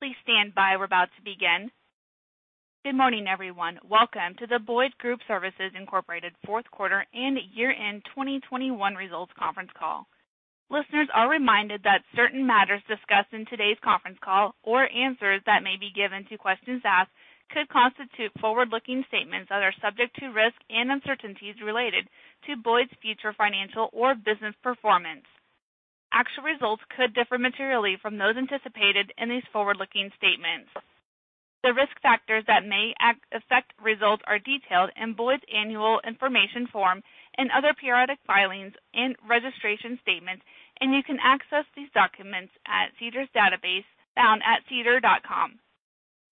Please stand by. We're about to begin. Good morning, everyone. Welcome to the Boyd Group Services Incorporated fourth quarter and year-end 2021 results conference call. Listeners are reminded that certain matters discussed in today's conference call or answers that may be given to questions asked could constitute forward-looking statements that are subject to risks and uncertainties related to Boyd's future financial or business performance. Actual results could differ materially from those anticipated in these forward-looking statements. The risk factors that may affect results are detailed in Boyd's annual information form and other periodic filings and registration statements, and you can access these documents at SEDAR's database found at sedar.com.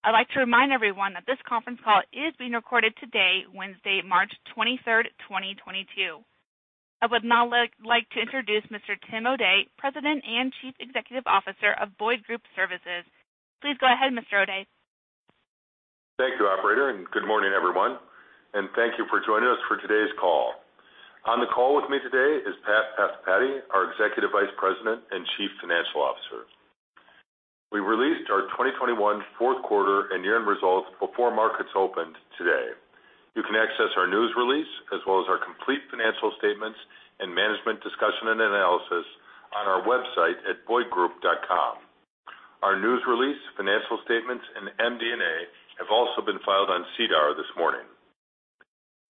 I'd like to remind everyone that this conference call is being recorded today, Wednesday, March 23, 2022. I would now like to introduce Mr. Tim O'Day, President and Chief Executive Officer of Boyd Group Services. Please go ahead, Mr. O'Day. Thank you, operator, and good morning, everyone, and thank you for joining us for today's call. On the call with me today is Narendra Pathipati, our Executive Vice President and Chief Financial Officer. We released our 2021 fourth quarter and year-end results before markets opened today. You can access our news release as well as our complete financial statements and management discussion and analysis on our website at boydgroup.com. Our news release, financial statements, and MD&A have also been filed on SEDAR this morning.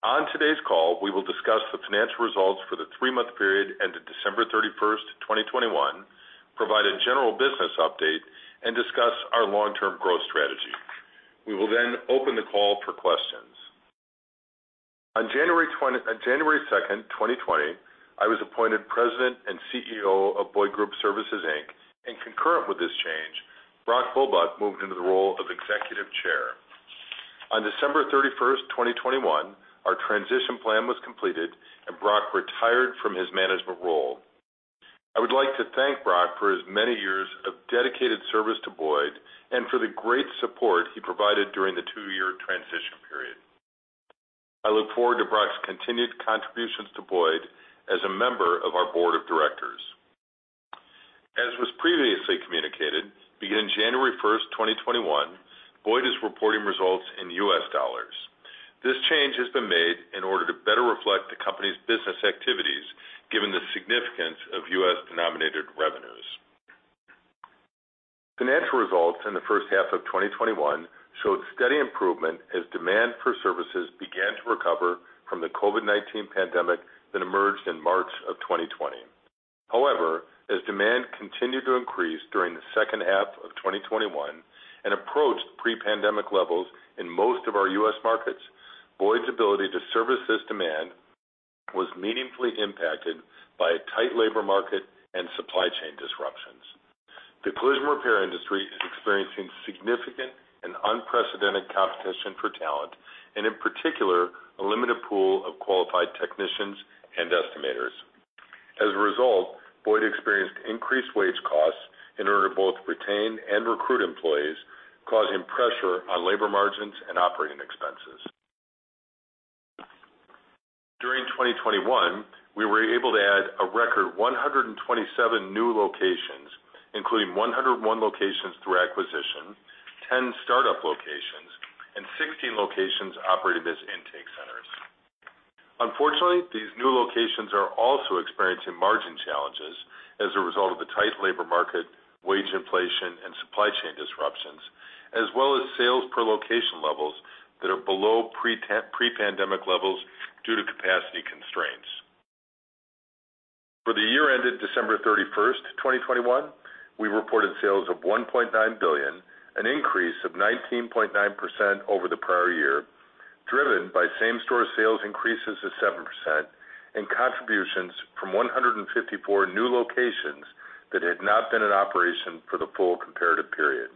On today's call, we will discuss the financial results for the three-month period ended December 31, 2021, provide a general business update, and discuss our long-term growth strategy. We will then open the call for questions. On January second, 2020, I was appointed President and Chief Executive Officer of Boyd Group Services, Inc. Concurrent with this change, Brock Bulbuck moved into the role of Executive Chair. On December 31, 2021, our transition plan was completed, and Brock retired from his management role. I would like to thank Brock for his many years of dedicated service to Boyd and for the great support he provided during the two-year transition period. I look forward to Brock's continued contributions to Boyd as a member of our board of directors. As was previously communicated, beginning January 1, 2021, Boyd is reporting results in U.S. dollars. This change has been made in order to better reflect the company's business activities given the significance of U.S.-denominated revenues. Financial results in the first half of 2021 showed steady improvement as demand for services began to recover from the COVID-19 pandemic that emerged in March of 2020. However, as demand continued to increase during the second half of 2021 and approached pre-pandemic levels in most of our U.S. markets, Boyd's ability to service this demand was meaningfully impacted by a tight labor market and supply chain disruptions. The collision repair industry is experiencing significant and unprecedented competition for talent, and in particular, a limited pool of qualified technicians and estimators. As a result, Boyd experienced increased wage costs in order to both retain and recruit employees, causing pressure on labor margins and operating expenses. During 2021, we were able to add a record 127 new locations, including 101 locations through acquisition, 10 startup locations, and 16 locations operating as intake centers. Unfortunately, these new locations are also experiencing margin challenges as a result of the tight labor market, wage inflation, and supply chain disruptions, as well as sales per location levels that are below pre-pandemic levels due to capacity constraints. For the year ended December 31, 2021, we reported sales of $1.9 billion, an increase of 19.9% over the prior year, driven by same-store sales increases of 7% and contributions from 154 new locations that had not been in operation for the full comparative period.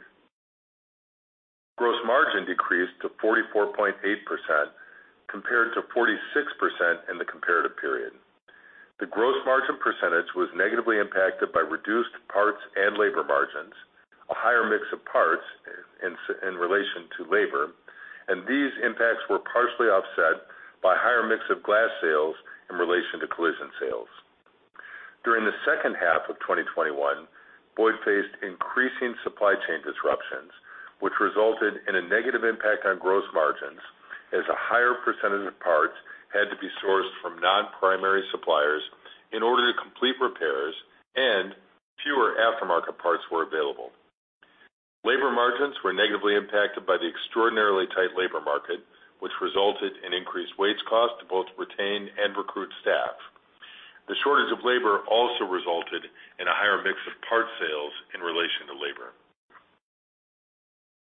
Gross margin decreased to 44.8% compared to 46% in the comparative period. The gross margin percentage was negatively impacted by reduced parts and labor margins, a higher mix of parts in relation to labor, and these impacts were partially offset by higher mix of glass sales in relation to collision sales. During the second half of 2021, Boyd faced increasing supply chain disruptions, which resulted in a negative impact on gross margins as a higher percentage of parts had to be sourced from non-primary suppliers in order to complete repairs and fewer aftermarket parts were available. Labor margins were negatively impacted by the extraordinarily tight labor market, which resulted in increased wage costs to both retain and recruit staff. The shortage of labor also resulted in a higher mix of parts sales in relation to labor.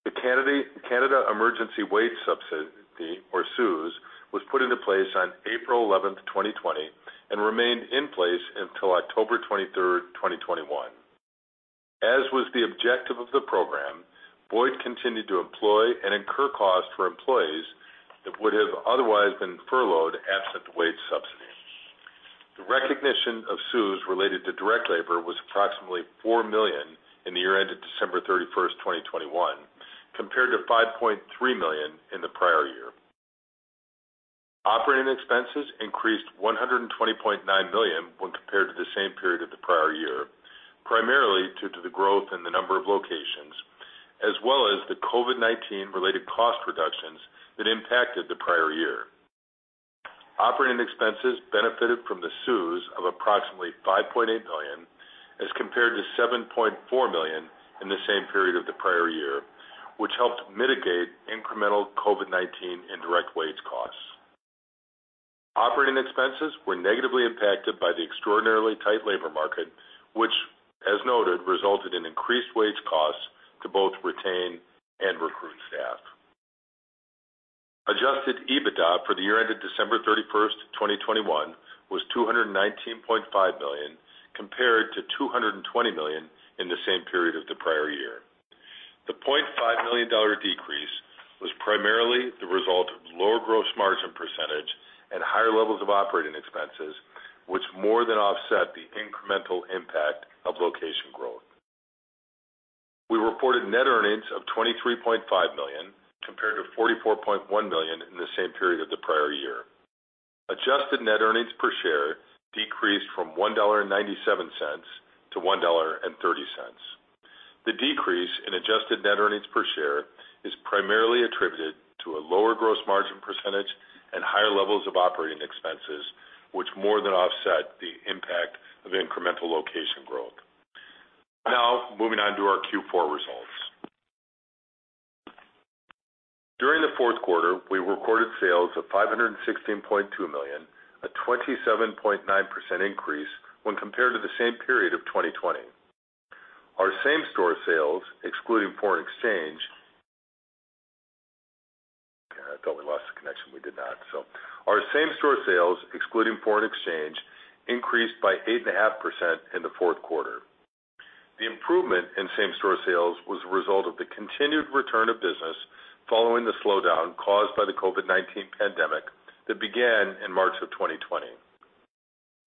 The Canada Emergency Wage Subsidy, or CEWS, was put into place on April eleventh, 2020, and remained in place until October twenty-third, 2021. As was the objective of the program, Boyd continued to employ and incur costs for employees that would have otherwise been furloughed absent the wage subsidy. The recognition of CEWS related to direct labor was approximately $4 million in the year ended December 31st, 2021, compared to $5.3 million in the prior year. Operating expenses increased $120.9 million when compared to the same period of the prior year, primarily due to the growth in the number of locations as well as the COVID-19 related cost reductions that impacted the prior year. Operating expenses benefited from the CEWS of approximately $5.8 million as compared to $7.4 million in the same period of the prior year, which helped mitigate incremental COVID-19 indirect wage costs. Operating expenses were negatively impacted by the extraordinarily tight labor market, which, as noted, resulted in increased wage costs to both retain and recruit staff. Adjusted EBITDA for the year ended December 31, 2021 was $219.5 million, compared to $220 million in the same period as the prior year. The $0.5 million decrease was primarily the result of lower gross margin percentage and higher levels of operating expenses, which more than offset the incremental impact of location growth. We reported net earnings of $23.5 million, compared to $44.1 million in the same period of the prior year. Adjusted net earnings per share decreased from $1.97 to $1.30. The decrease in adjusted net earnings per share is primarily attributed to a lower gross margin percentage and higher levels of operating expenses, which more than offset the impact of incremental location growth. Now moving on to our Q4 results. During the fourth quarter, we recorded sales of $516.2 million, a 27.9% increase when compared to the same period of 2020. Our same-store sales, excluding foreign exchange, increased by 8.5% in the fourth quarter. The improvement in same-store sales was a result of the continued return of business following the slowdown caused by the COVID-19 pandemic that began in March 2020.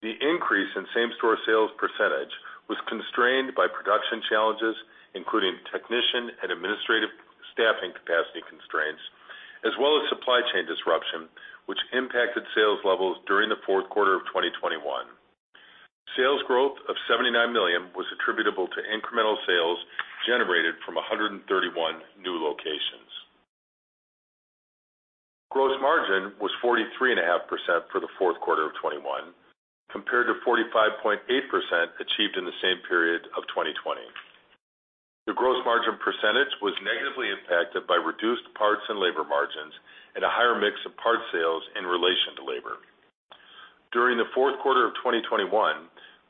The increase in same-store sales percentage was constrained by production challenges, including technician and administrative staffing capacity constraints, as well as supply chain disruption, which impacted sales levels during the fourth quarter of 2021. Sales growth of $79 million was attributable to incremental sales generated from 131 new locations. Gross margin was 43.5% for the fourth quarter of 2021, compared to 45.8% achieved in the same period of 2020. The gross margin percentage was negatively impacted by reduced parts and labor margins and a higher mix of parts sales in relation to labor. During the fourth quarter of 2021,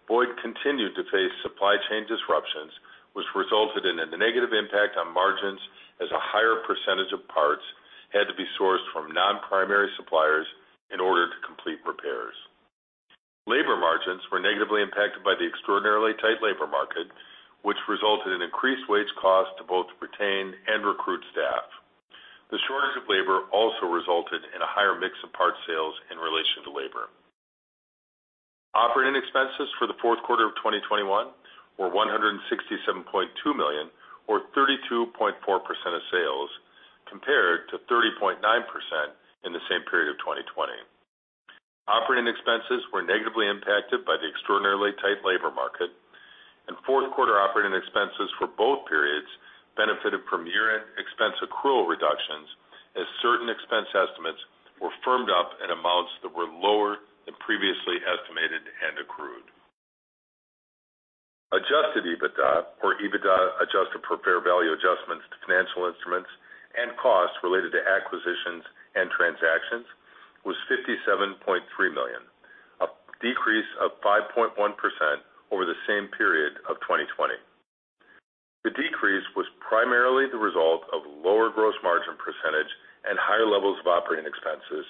Boyd continued to face supply chain disruptions, which resulted in a negative impact on margins as a higher percentage of parts had to be sourced from non-primary suppliers in order to complete repairs. Labor margins were negatively impacted by the extraordinarily tight labor market, which resulted in increased wage costs to both retain and recruit staff. The shortage of labor also resulted in a higher mix of parts sales in relation to labor. Operating expenses for the fourth quarter of 2021 were $167.2 million or 32.4% of sales, compared to 30.9% in the same period of 2020. Operating expenses were negatively impacted by the extraordinarily tight labor market. Fourth quarter operating expenses for both periods benefited from year-end expense accrual reductions as certain expense estimates were firmed up in amounts that were lower than previously estimated and accrued. Adjusted EBITDA, or EBITDA adjusted for fair value adjustments to financial instruments and costs related to acquisitions and transactions, was $57.3 million, a decrease of 5.1% over the same period of 2020. The decrease was primarily the result of lower gross margin percentage and higher levels of operating expenses,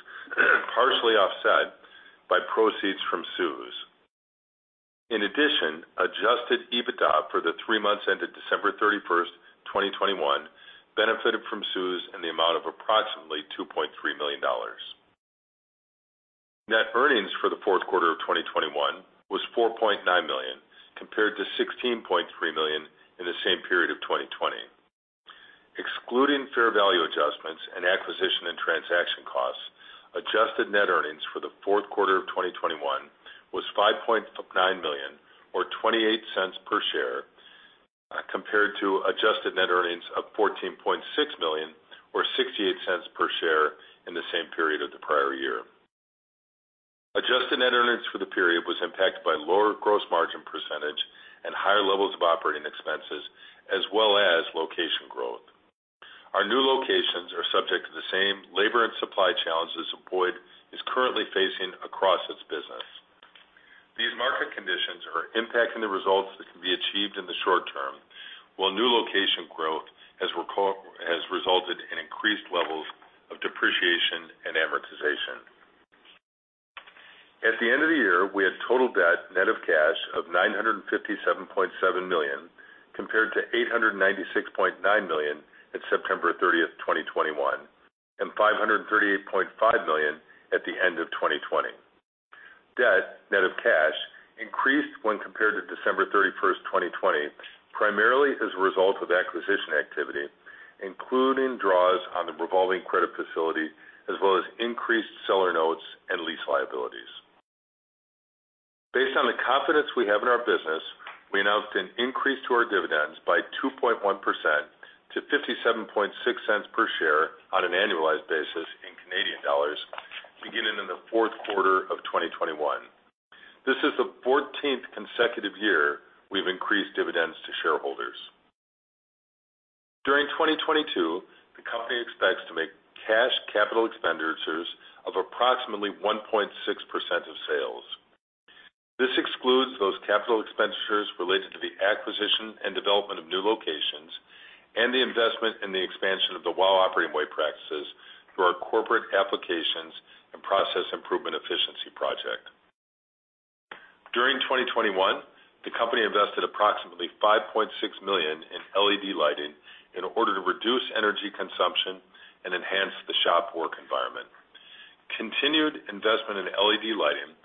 partially offset by proceeds from CEWS. In addition, adjusted EBITDA for the three months ended December 31, 2021 benefited from CEWS in the amount of approximately $2.3 million. Net earnings for the fourth quarter of 2021 was $4.9 million, compared to $16.3 million in the same period of 2020. Excluding fair value adjustments and acquisition and transaction costs, adjusted net earnings for the fourth quarter of 2021 was $5.9 million or $0.28 per share, compared to adjusted net earnings of $14.6 million or $0.68 per share in the same period of the prior year. Adjusted net earnings for the period was impacted by lower gross margin percentage and higher levels of operating expenses as well as location growth. Our new locations are subject to the same labor and supply challenges Boyd is currently facing across its business. These market conditions are impacting the results that can be achieved in the short term, while new location growth has resulted in increased levels of depreciation and amortization. At the end of the year, we had total debt net of cash of $957.7 million, compared to $896.9 million at September 30, 2021, and $538.5 million at the end of 2020. Debt net of cash when compared to December 31, 2020, primarily as a result of acquisition activity, including draws on the revolving credit facility as well as increased seller notes and lease liabilities. Based on the confidence we have in our business, we announced an increase to our dividends by 2.1% to 0.576 per share on an annualized basis in Canadian dollars beginning in the fourth quarter of 2021. This is the 14th consecutive year we've increased dividends to shareholders. During 2022, the company expects to make cash capital expenditures of approximately 1.6% of sales. This excludes those capital expenditures related to the acquisition and development of new locations and the investment in the expansion of the WOW Operating Way practices through our corporate applications and process improvement efficiency project. During 2021, the company invested approximately $5.6 million in LED lighting in order to reduce energy consumption and enhance the shop work environment. Continued investment in LED lighting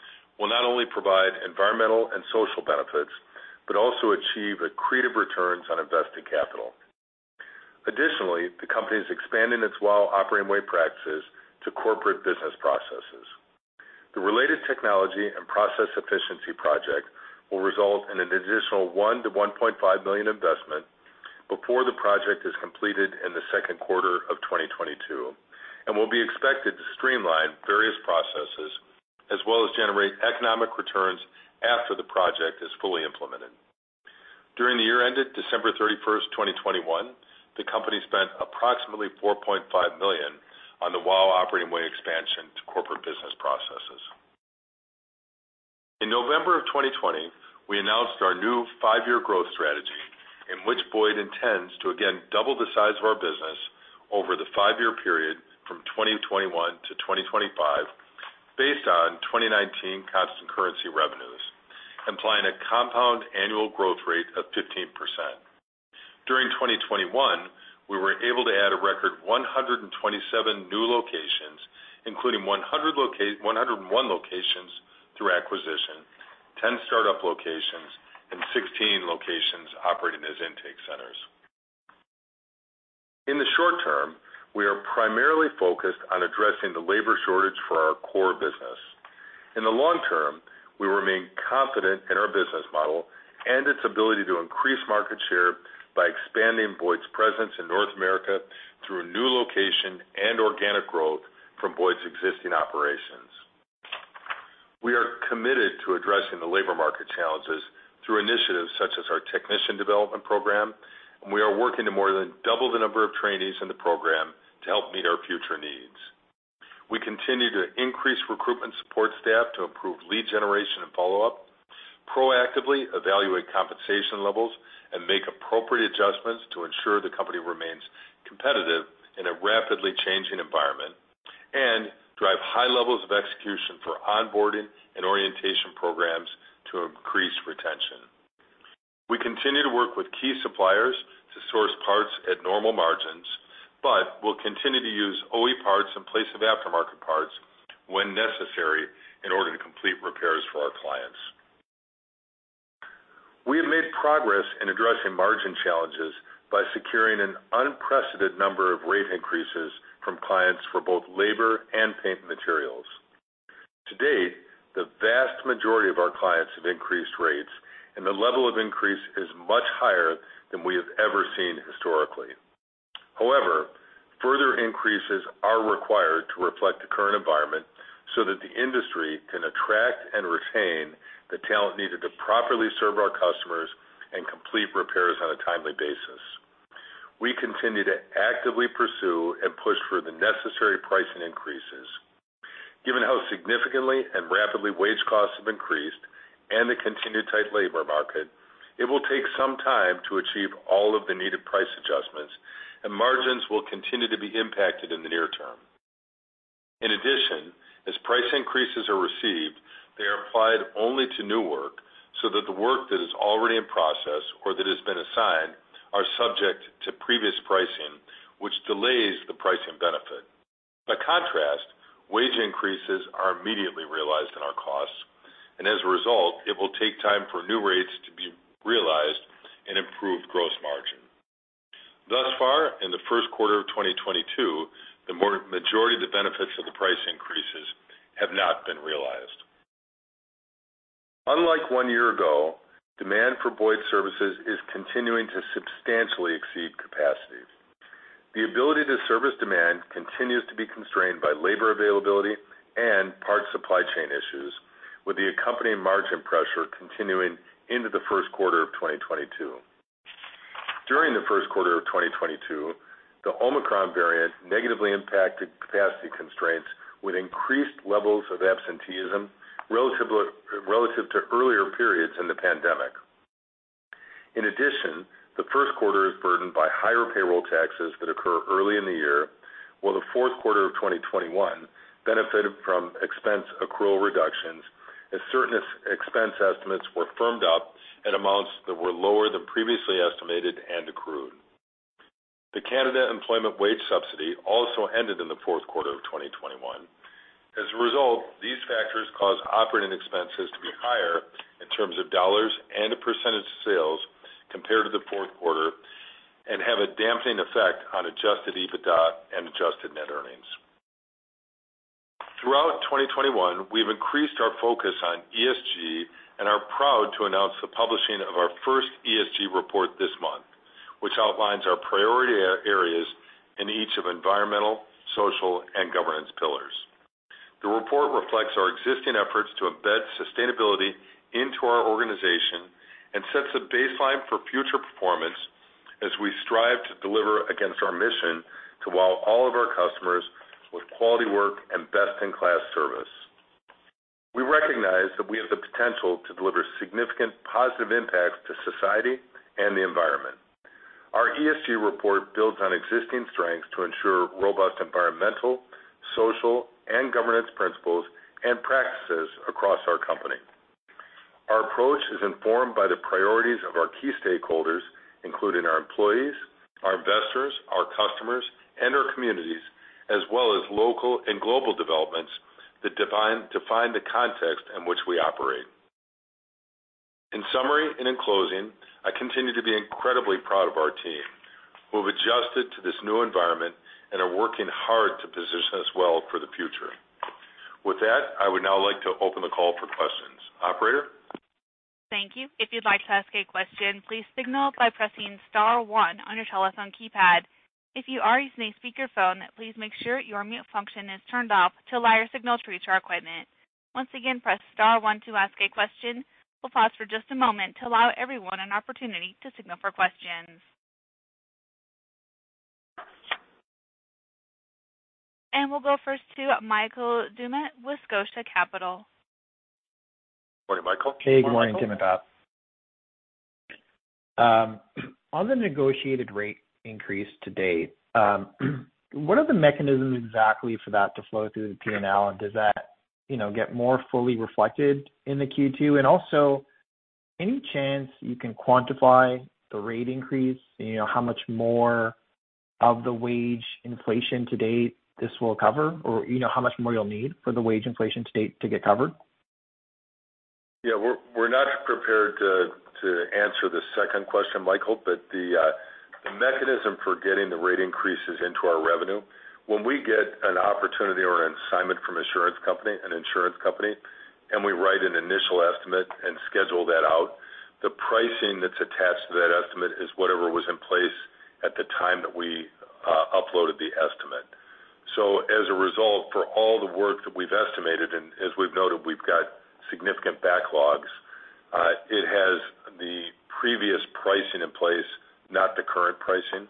will not only provide environmental and social benefits, but also achieve accretive returns on invested capital. Additionally, the company is expanding its WOW Operating Way practices to corporate business processes. The related technology and process efficiency project will result in an additional $1- $1.5 million investment before the project is completed in the second quarter of 2022 and will be expected to streamline various processes as well as generate economic returns after the project is fully implemented. During the year ended December 31, 2021, the company spent approximately $4.5 million on the WOW Operating Way expansion to corporate business processes. In November of 2020, we announced our new five-year growth strategy in which Boyd intends to again double the size of our business over the five-year period from 2021 to 2025 based on 2019 constant currency revenues, implying a compound annual growth rate of 15%. During 2021, we were able to add a record 127 new locations, including 101 locations through acquisition, 10 startup locations, and 16 locations operating as intake centers. In the short term, we are primarily focused on addressing the labor shortage for our core business. In the long term, we remain confident in our business model and its ability to increase market share by expanding Boyd's presence in North America through a new location and organic growth from Boyd's existing operations. We are committed to addressing the labor market challenges through initiatives such as our technician development program, and we are working to more than double the number of trainees in the program to help meet our future needs. We continue to increase recruitment support staff to improve lead generation and follow-up, proactively evaluate compensation levels, and make appropriate adjustments to ensure the company remains competitive in a rapidly changing environment and drive high levels of execution for onboarding and orientation programs to increase retention. We continue to work with key suppliers to source parts at normal margins, but we'll continue to use OE parts in place of aftermarket parts when necessary in order to complete repairs for our clients. We have made progress in addressing margin challenges by securing an unprecedented number of rate increases from clients for both labor and paint materials. To date, the vast majority of our clients have increased rates, and the level of increase is much higher than we have ever seen historically. However, further increases are required to reflect the current environment so that the industry can attract and retain the talent needed to properly serve our customers and complete repairs on a timely basis. We continue to actively pursue and push for the necessary pricing increases. Given how significantly and rapidly wage costs have increased and the continued tight labor market, it will take some time to achieve all of the needed price adjustments, and margins will continue to be impacted in the near term. In addition, as price increases are received, they are applied only to new work so that the work that is already in process or that has been assigned are subject to previous pricing, which delays the pricing benefit. By contrast, wage increases are immediately realized in our costs, and as a result, it will take time for new rates to be realized and improve gross margin. Thus far, in the first quarter of 2022, the majority of the benefits of the price increases have not been realized. Unlike one year ago, demand for Boyd services is continuing to substantially exceed capacity. The ability to service demand continues to be constrained by labor availability and parts supply chain issues, with the accompanying margin pressure continuing into the first quarter of 2022. During the first quarter of 2022, the Omicron variant negatively impacted capacity constraints with increased levels of absenteeism relative to earlier periods in the pandemic. In addition, the first quarter is burdened by higher payroll taxes that occur early in the year, while the fourth quarter of 2021 benefited from expense accrual reductions as certain expense estimates were firmed up at amounts that were lower than previously estimated and accrued. The Canada Emergency Wage Subsidy also ended in the fourth quarter of 2021. As a result, these factors caused operating expenses to be higher in terms of dollars and a percentage of sales compared to the fourth quarter and have a dampening effect on adjusted EBITDA and adjusted net earnings. Throughout 2021, we've increased our focus on ESG and are proud to announce the publishing of our first ESG report this month, which outlines our priority areas in each of environmental, social, and governance pillars. The report reflects our existing efforts to embed sustainability into our organization and sets a baseline for future performance as we strive to deliver against our mission to wow all of our customers with quality work and best-in-class service. We recognize that we have the potential to deliver significant positive impacts to society and the environment. Our ESG report builds on existing strengths to ensure robust environmental, social, and governance principles and practices across our company. Our approach is informed by the priorities of our key stakeholders, including our employees, our investors, our customers, and our communities, as well as local and global developments that define the context in which we operate. In summary and in closing, I continue to be incredibly proud of our team, who have adjusted to this new environment and are working hard to position us well for the future. With that, I would now like to open the call for questions. Operator? Thank you. If you'd like to ask a question, please signal by pressing star one on your telephone keypad. If you are using a speakerphone, please make sure your mute function is turned off to allow your signal to reach our equipment. Once again, press star one to ask a question. We'll pause for just a moment to allow everyone an opportunity to signal for questions. We'll go first to Michael Doumet with Scotia Capital. Morning, Michael. Hey, good morning, Tim and Pat? On the negotiated rate increase to date, what are the mechanisms exactly for that to flow through the PNL? Does that, you know, get more fully reflected in the Q2? Any chance you can quantify the rate increase? You know, how much more of the wage inflation to date this will cover, or, you know, how much more you'll need for the wage inflation to date to get covered? Yeah. We're not prepared to answer the second question, Michael. The mechanism for getting the rate increases into our revenue, when we get an opportunity or an assignment from an insurance company, and we write an initial estimate and schedule that out, the pricing that's attached to that estimate is whatever was in place at the time that we uploaded the estimate. As a result, for all the work that we've estimated, and as we've noted, we've got significant backlogs. It has the previous pricing in place, not the current pricing.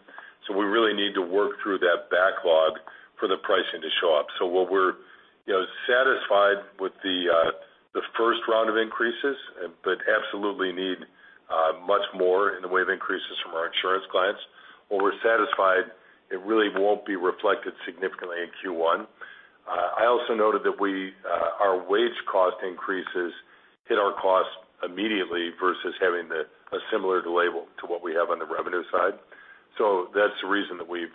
We really need to work through that backlog for the pricing to show up. What we're, you know, satisfied with the first round of increases, but absolutely need much more in the way of increases from our insurance clients. While we're satisfied, it really won't be reflected significantly in Q1. I also noted that our wage cost increases hit our cost immediately versus having a similar delay to what we have on the revenue side. That's the reason that we've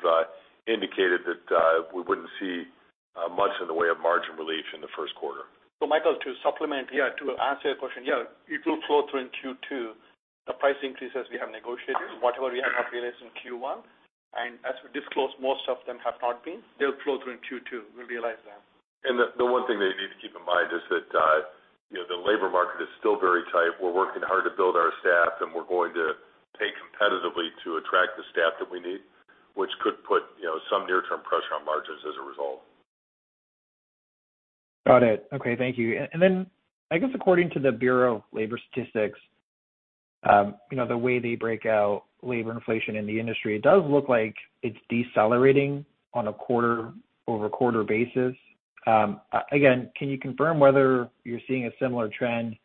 indicated that we wouldn't see much in the way of margin relief in the first quarter. Michael, to supplement. Yeah. To answer your question, yeah, it will flow through in Q2, the price increases we have negotiated. Whatever we have not realized in Q1, and as we disclose, most of them have not been, they'll flow through in Q2. We realize that. The one thing that you need to keep in mind is that, you know, the labor market is still very tight. We're working hard to build our staff, and we're going to pay competitively to attract the staff that we need, which could put, you know, some near-term pressure on margins as a result. Got it. Okay. Thank you. Then I guess according to the Bureau of Labor Statistics, you know, the way they break out labor inflation in the industry, it does look like it's decelerating on a quarter-over-quarter basis. Again, can you confirm whether you're seeing a similar trend?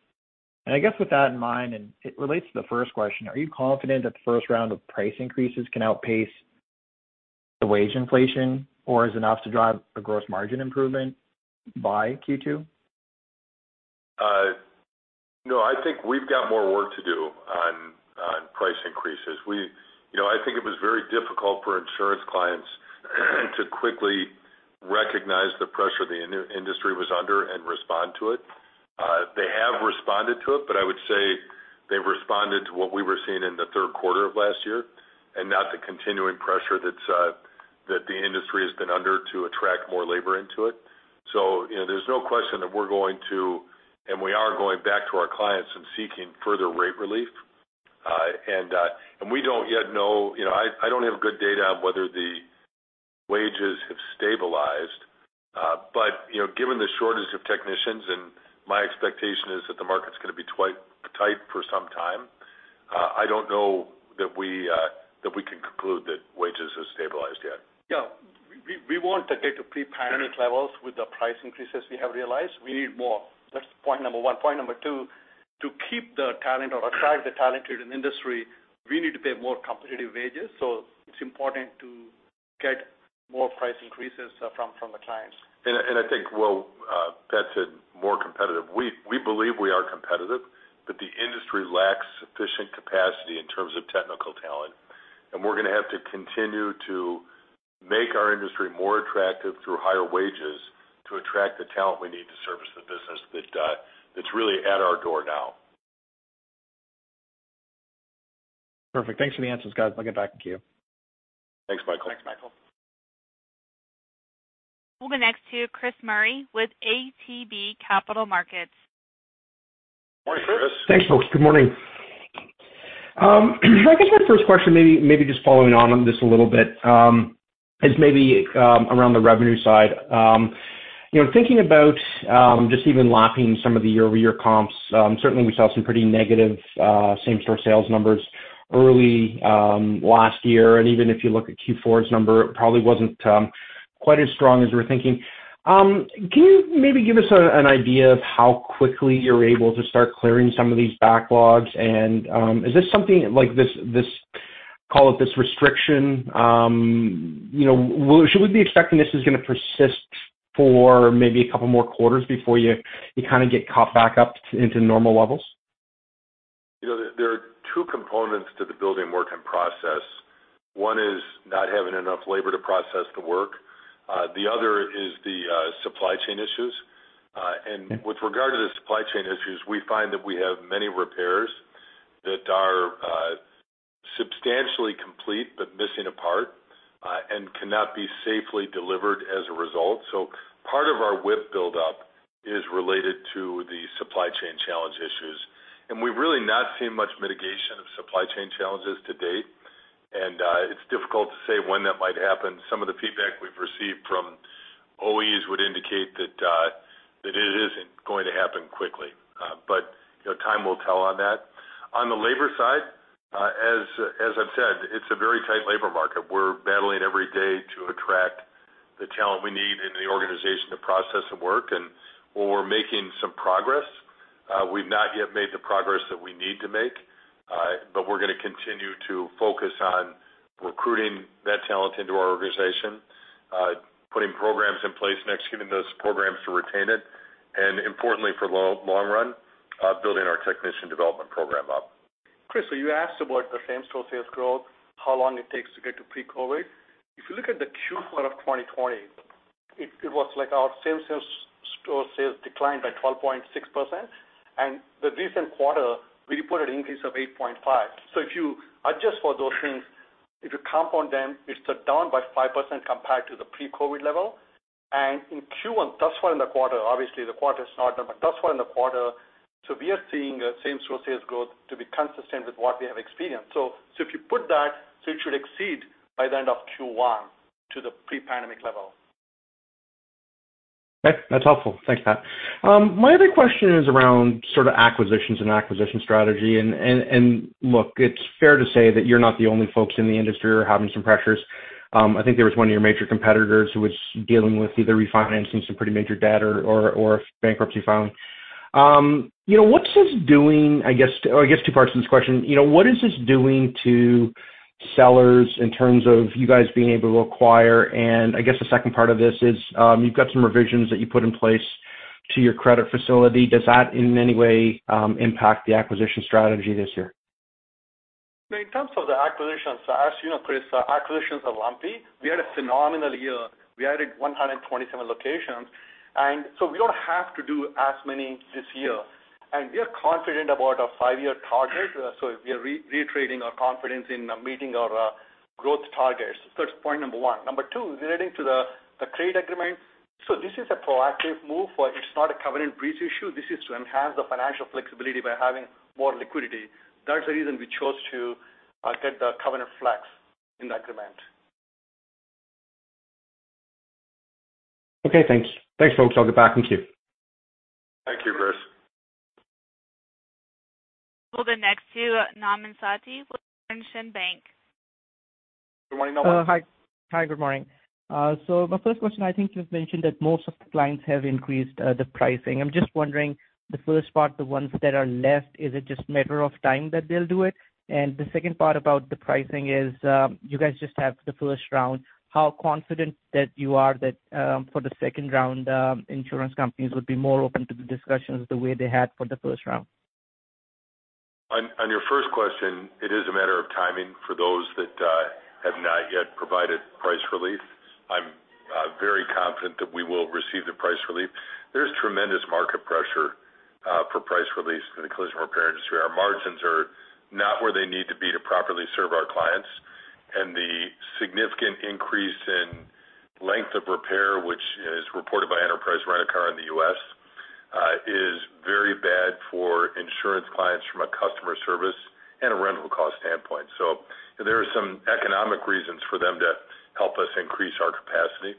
I guess with that in mind, and it relates to the first question, are you confident that the first round of price increases can outpace the wage inflation or is enough to drive a gross margin improvement by Q2? No, I think we've got more work to do on price increases. You know, I think it was very difficult for insurance clients to quickly recognize the pressure the industry was under and respond to it. They have responded to it, but I would say they've responded to what we were seeing in the third quarter of last year and not the continuing pressure that the industry has been under to attract more labor into it. You know, there's no question that we're going to, and we are going back to our clients and seeking further rate relief. And we don't yet know. You know, I don't have good data on whether the wages have stabilized. You know, given the shortage of technicians, my expectation is that the market's gonna be tight for some time. I don't know that we can conclude that wages have stabilized yet. Yeah. We want to get to pre-pandemic levels with the price increases we have realized. We need more. That's point number one. Point number two, to keep the talent or attract the talent to an industry, we need to pay more competitive wages. It's important to get more price increases from the clients. I think Pat said more competitive. We believe we are competitive, but the industry lacks sufficient capacity in terms of technical talent. We're gonna have to continue to make our industry more attractive through higher wages to attract the talent we need to service the business that's really at our door now. Perfect. Thanks for the answers, guys. I'll get back to you. Thanks, Michael. Thanks, Michael. We'll go next to Chris Murray with ATB Capital Markets. Morning, Chris. Thanks, folks. Good morning. I guess my first question, maybe just following on this a little bit, is maybe around the revenue side. You know, thinking about just even lapping some of the year-over-year comps, certainly we saw some pretty negative same-store sales numbers early last year. Even if you look at Q4's number, it probably wasn't quite as strong as we were thinking. Can you maybe give us an idea of how quickly you're able to start clearing some of these backlogs? Is this something like this, call it this restriction, you know, should we be expecting this is gonna persist for maybe a couple more quarters before you kinda get caught back up into normal levels? You know, there are two components to the building work in process. One is not having enough labor to process the work. The other is the supply chain issues. With regard to the supply chain issues, we find that we have many repairs that are substantially complete but missing a part and cannot be safely delivered as a result. Part of our WIP buildup is related to the supply chain challenge issues. We've really not seen much mitigation of supply chain challenges to date. It's difficult to say when that might happen. Some of the feedback we've received from OEs would indicate that it isn't going to happen quickly. You know, time will tell on that. On the labor side, as I've said, it's a very tight labor market. We're battling every day to attract the talent we need in the organization to process the work. While we're making some progress, we've not yet made the progress that we need to make. We're gonna continue to focus on recruiting that talent into our organization, putting programs in place and executing those programs to retain it, and importantly, for the long run, building our technician development program up. Chris, you asked about the same-store sales growth, how long it takes to get to pre-COVID. If you look at the Q4 of 2020, it was like our same-store sales declined by 12.6%, and the recent quarter, we reported increase of 8.5%. If you adjust for those things, if you compound them, it's down by 5% compared to the pre-COVID level. In Q1, thus far in the quarter, obviously the quarter's not done, but we are seeing same-store sales growth to be consistent with what we have experienced. If you put that, it should exceed by the end of Q1 to the pre-pandemic level. Okay, that's helpful. Thanks, Pat. My other question is around sort of acquisitions and acquisition strategy. Look, it's fair to say that you're not the only folks in the industry who are having some pressures. I think there was one of your major competitors who was dealing with either refinancing some pretty major debt or bankruptcy filing. You know, I guess two parts to this question. You know, what is this doing to sellers in terms of you guys being able to acquire? I guess the second part of this is, you've got some revisions that you put in place to your credit facility. Does that in any way impact the acquisition strategy this year? In terms of the acquisitions, as you know, Chris, acquisitions are lumpy. We had a phenomenal year. We added 127 locations, so we don't have to do as many this year. We are confident about our five-year target. We are reiterating our confidence in meeting our growth targets. That's point number one. Number two is relating to the trade agreement. This is a proactive move because it's not a covenant breach issue. This is to enhance the financial flexibility by having more liquidity. That's the reason we chose to get the covenant flex in that agreement. Okay, thanks. Thanks, folks. I'll get back in queue. Thank you, Chris. We'll go next to Nauman Satti with Laurentian Bank. Good morning, Nauman. Hi. Hi, good morning. My first question, I think you've mentioned that most of the clients have increased the pricing. I'm just wondering, the first part, the ones that are left, is it just a matter of time that they'll do it? The second part about the pricing is, you guys just have the first round, how confident are you that, for the second round, insurance companies would be more open to the discussions the way they had for the first round? On your first question, it is a matter of timing for those that have not yet provided price relief. I'm very confident that we will receive the price relief. There's tremendous market pressure for price relief in the collision repair industry. Our margins are not where they need to be to properly serve our clients. The significant increase in length of repair, which is reported by Enterprise Rent-A-Car in the U.S., is very bad for insurance clients from a customer service and a rental cost standpoint. There are some economic reasons for them to help us increase our capacity.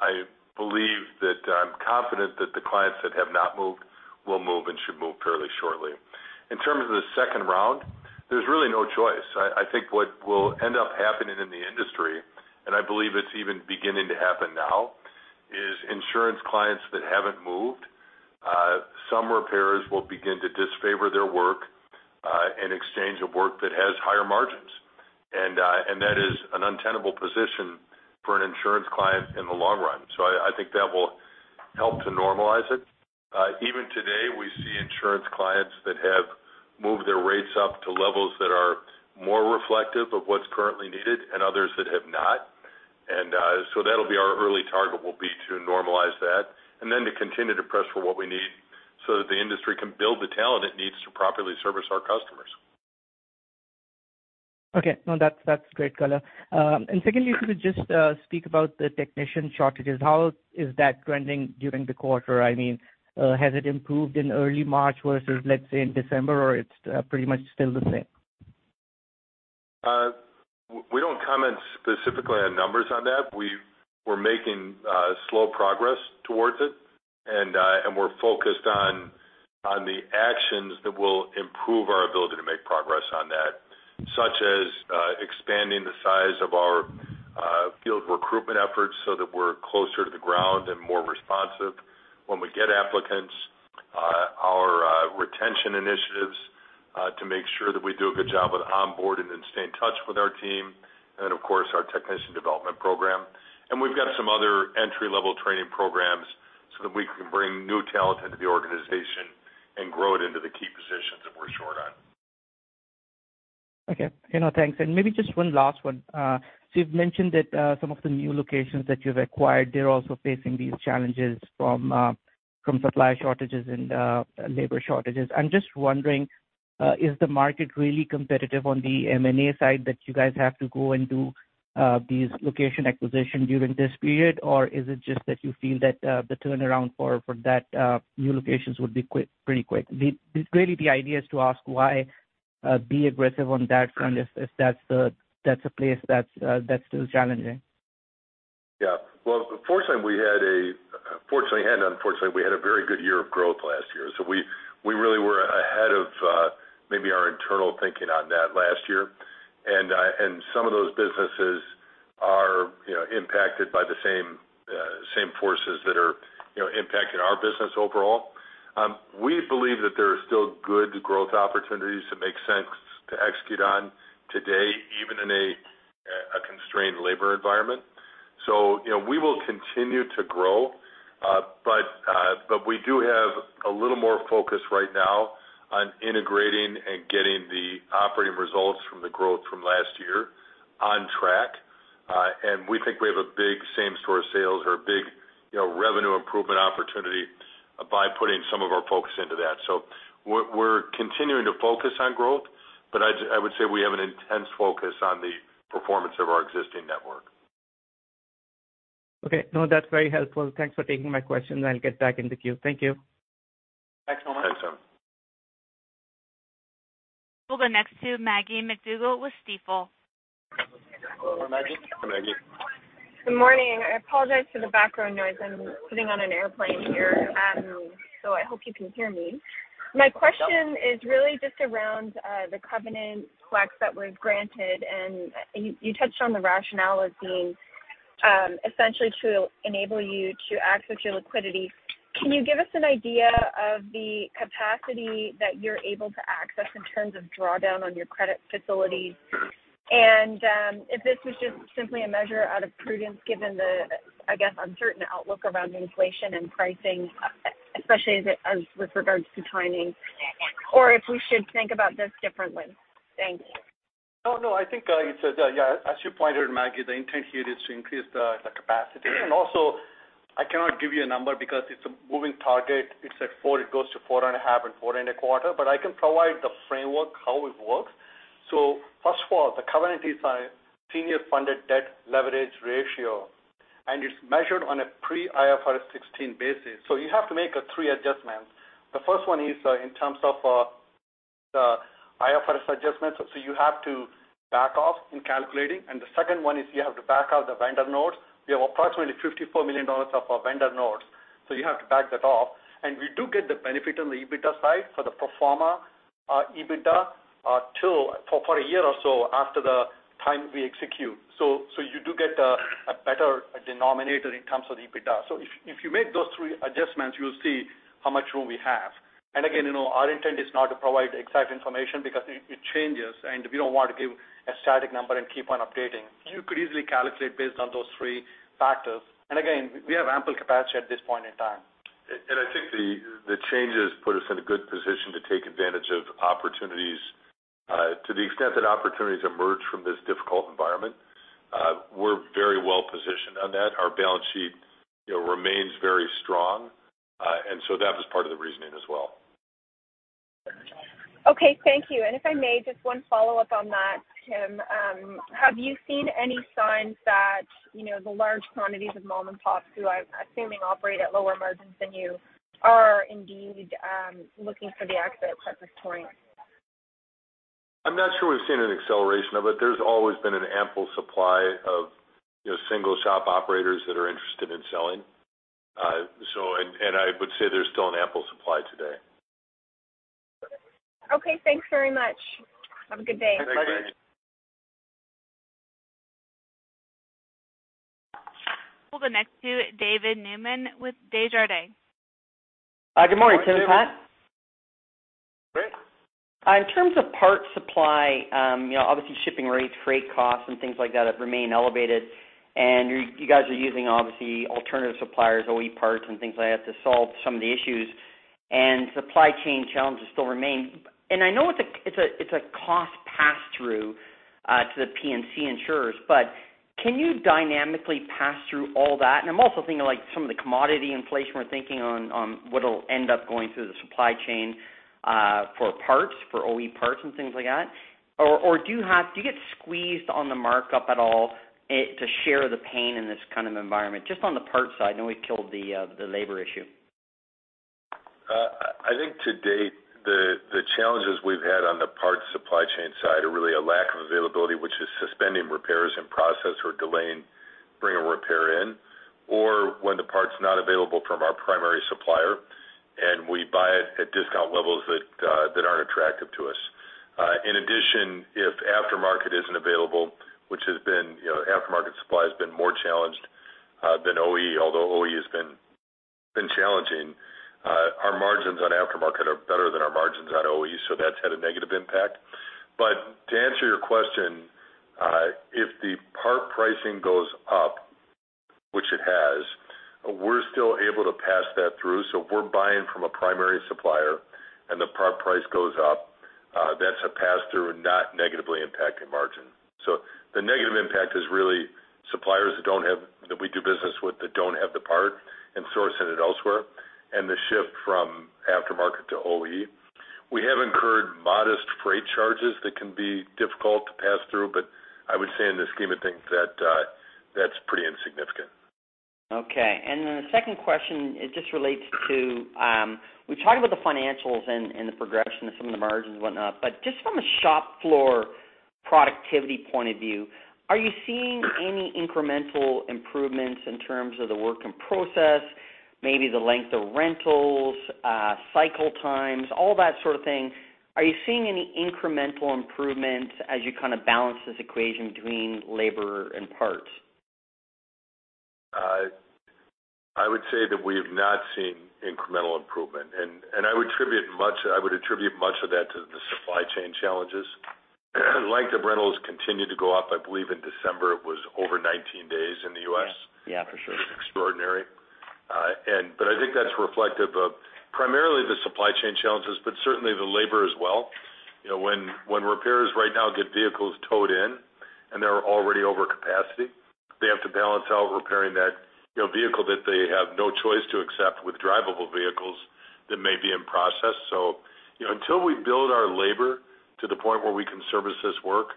I believe that I'm confident that the clients that have not moved will move and should move fairly shortly. In terms of the second round, there's really no choice. I think what will end up happening in the industry, and I believe it's even beginning to happen now, is insurance clients that haven't moved. Some repairers will begin to disfavor their work in exchange of work that has higher margins. That is an untenable position for an insurance client in the long run. I think that will help to normalize it. Even today, we see insurance clients that have moved their rates up to levels that are more reflective of what's currently needed and others that have not. That'll be our early target will be to normalize that and then to continue to press for what we need so that the industry can build the talent it needs to properly service our customers. Okay. No, that's great color. Secondly, could you just speak about the technician shortages? How is that trending during the quarter? I mean, has it improved in early March versus, let's say, in December, or it's pretty much still the same? We don't comment specifically on numbers on that. We're making slow progress towards it. We're focused on the actions that will improve our ability to make progress on that, such as expanding the size of our field recruitment efforts so that we're closer to the ground and more responsive when we get applicants. Our retention initiatives to make sure that we do a good job with onboarding and stay in touch with our team, and of course, our technician development program. We've got some other entry-level training programs so that we can bring new talent into the organization and grow it into the key positions that we're short on. Okay. You know, thanks. Maybe just one last one. So you've mentioned that some of the new locations that you've acquired, they're also facing these challenges from supply shortages and labor shortages. I'm just wondering, is the market really competitive on the M&A side that you guys have to go and do these location acquisition during this period? Or is it just that you feel that the turnaround for that new locations would be quick, pretty quick? Basically, the idea is to ask why be aggressive on that front if that's the place that's still challenging. Well, fortunately and unfortunately, we had a very good year of growth last year, so we really were ahead of maybe our internal thinking on that last year. Some of those businesses are, you know, impacted by the same same forces that are, you know, impacting our business overall. We believe that there are still good growth opportunities that make sense to execute on today, even in a constrained labor environment. You know, we will continue to grow. We do have a little more focus right now on integrating and getting the operating results from the growth from last year on track. We think we have a big same-store sales or a big, you know, revenue improvement opportunity by putting some of our focus into that. We're continuing to focus on growth, but I would say we have an intense focus on the performance of our existing network. Okay. No, that's very helpful. Thanks for taking my questions. I'll get back in the queue. Thank you. Thanks so much. Thanks, Nauman. We'll go next to Maggie MacDougall with Stifel. Hello, Maggie. Hi, Maggie. Good morning. I apologize for the background noise. I'm sitting on an airplane here, so I hope you can hear me. My question is really just around the covenant requests that were granted, and you touched on the rationale as being essentially to enable you to access your liquidity. Can you give us an idea of the capacity that you're able to access in terms of drawdown on your credit facilities? If this was just simply a measure out of prudence, given the, I guess, uncertain outlook around inflation and pricing, especially as with regards to timing, or if we should think about this differently. Thanks. No, no. I think it's yeah, as you pointed, Maggie, the intent here is to increase the capacity. I cannot give you a number because it's a moving target. It's at four, it goes to four and a half and 4.25, but I can provide the framework, how it works. First of all, the covenant is a senior funded debt leverage ratio, and it's measured on a pre-IFRS 16 basis. You have to make three adjustments. The first one is in terms of the IFRS adjustments, you have to back off in calculating. The second one is you have to back out the vendor notes. We have approximately $54 million of vendor notes, you have to back that off. We do get the benefit on the EBITDA side for the pro forma EBITDA for a year or so after the time we execute. You do get a better denominator in terms of the EBITDA. If you make those three adjustments, you'll see how much room we have. Again, you know, our intent is not to provide exact information because it changes, and we don't want to give a static number and keep on updating. You could easily calculate based on those three factors. Again, we have ample capacity at this point in time. I think the changes put us in a good position to take advantage of opportunities to the extent that opportunities emerge from this difficult environment. We're very well positioned on that. Our balance sheet, you know, remains very strong. That was part of the reasoning as well. Okay. Thank you. If I may, just one follow-up on that, Tim. Have you seen any signs that, you know, the large quantities of mom-and-pops, who I'm assuming operate at lower margins than you, are indeed looking for the exit at this point? I'm not sure we've seen an acceleration of it. There's always been an ample supply of, you know, single shop operators that are interested in selling. I would say there's still an ample supply today. Okay, thanks very much. Have a good day. Thanks, Maggie. We'll go next to David Newman with Desjardins. Good morning, Tim and Pat? Great. In terms of part supply, you know, obviously shipping rates, freight costs and things like that have remained elevated. You guys are using obviously alternative suppliers, OE parts and things like that to solve some of the issues, and supply chain challenges still remain. I know it's a cost pass-through to the P&C insurers, but can you dynamically pass through all that? I'm also thinking like some of the commodity inflation, we're thinking on what'll end up going through the supply chain for parts, for OE parts and things like that. Do you get squeezed on the markup at all to share the pain in this kind of environment? Just on the parts side. I know we've killed the labor issue. I think to date, the challenges we've had on the parts supply chain side are really a lack of availability, which is suspending repairs in process or delaying bringing repair in, or when the part's not available from our primary supplier, and we buy it at discount levels that aren't attractive to us. In addition, if aftermarket isn't available, which has been, you know, aftermarket supply has been more challenged than OE. Although OE has been challenging, our margins on aftermarket are better than our margins on OE, so that's had a negative impact. To answer your question, if the part pricing goes up, which it has, we're still able to pass that through. If we're buying from a primary supplier and the part price goes up, that's a pass-through and not negatively impacting margin. The negative impact is really suppliers that we do business with that don't have the part and sourcing it elsewhere, and the shift from aftermarket to OE. We have incurred modest freight charges that can be difficult to pass through, but I would say in the scheme of things that that's pretty insignificant. Okay. The second question just relates to. We talked about the financials and the progression of some of the margins and whatnot, but just from a shop floor productivity point of view, are you seeing any incremental improvements in terms of the work in process, maybe the length of rentals, cycle times, all that sort of thing? Are you seeing any incremental improvements as you kind of balance this equation between labor and parts? I would say that we have not seen incremental improvement. I would attribute much of that to the supply chain challenges. Length of rentals continue to go up. I believe in December it was over 19 days in the U.S. Yeah. Yeah, for sure. Extraordinary. I think that's reflective of primarily the supply chain challenges, but certainly the labor as well. You know, when repairs right now get vehicles towed in and they're already over capacity, they have to balance out repairing that, you know, vehicle that they have no choice to accept with drivable vehicles that may be in process. So, you know, until we build our labor to the point where we can service this work,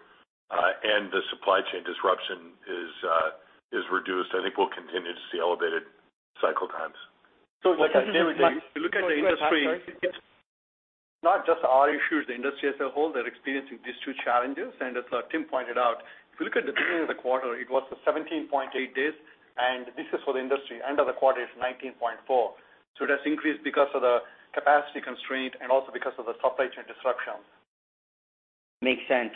and the supply chain disruption is reduced, I think we'll continue to see elevated cycle times. So like I said, if you look at the industry, it's not just our issues, the industry as a whole, they're experiencing these two challenges. As Tim pointed out, if you look at the beginning of the quarter, it was 17.8 days, and this is for the industry. End of the quarter is 19.4 days. That's increased because of the capacity constraint and also because of the supply chain disruption. Makes sense.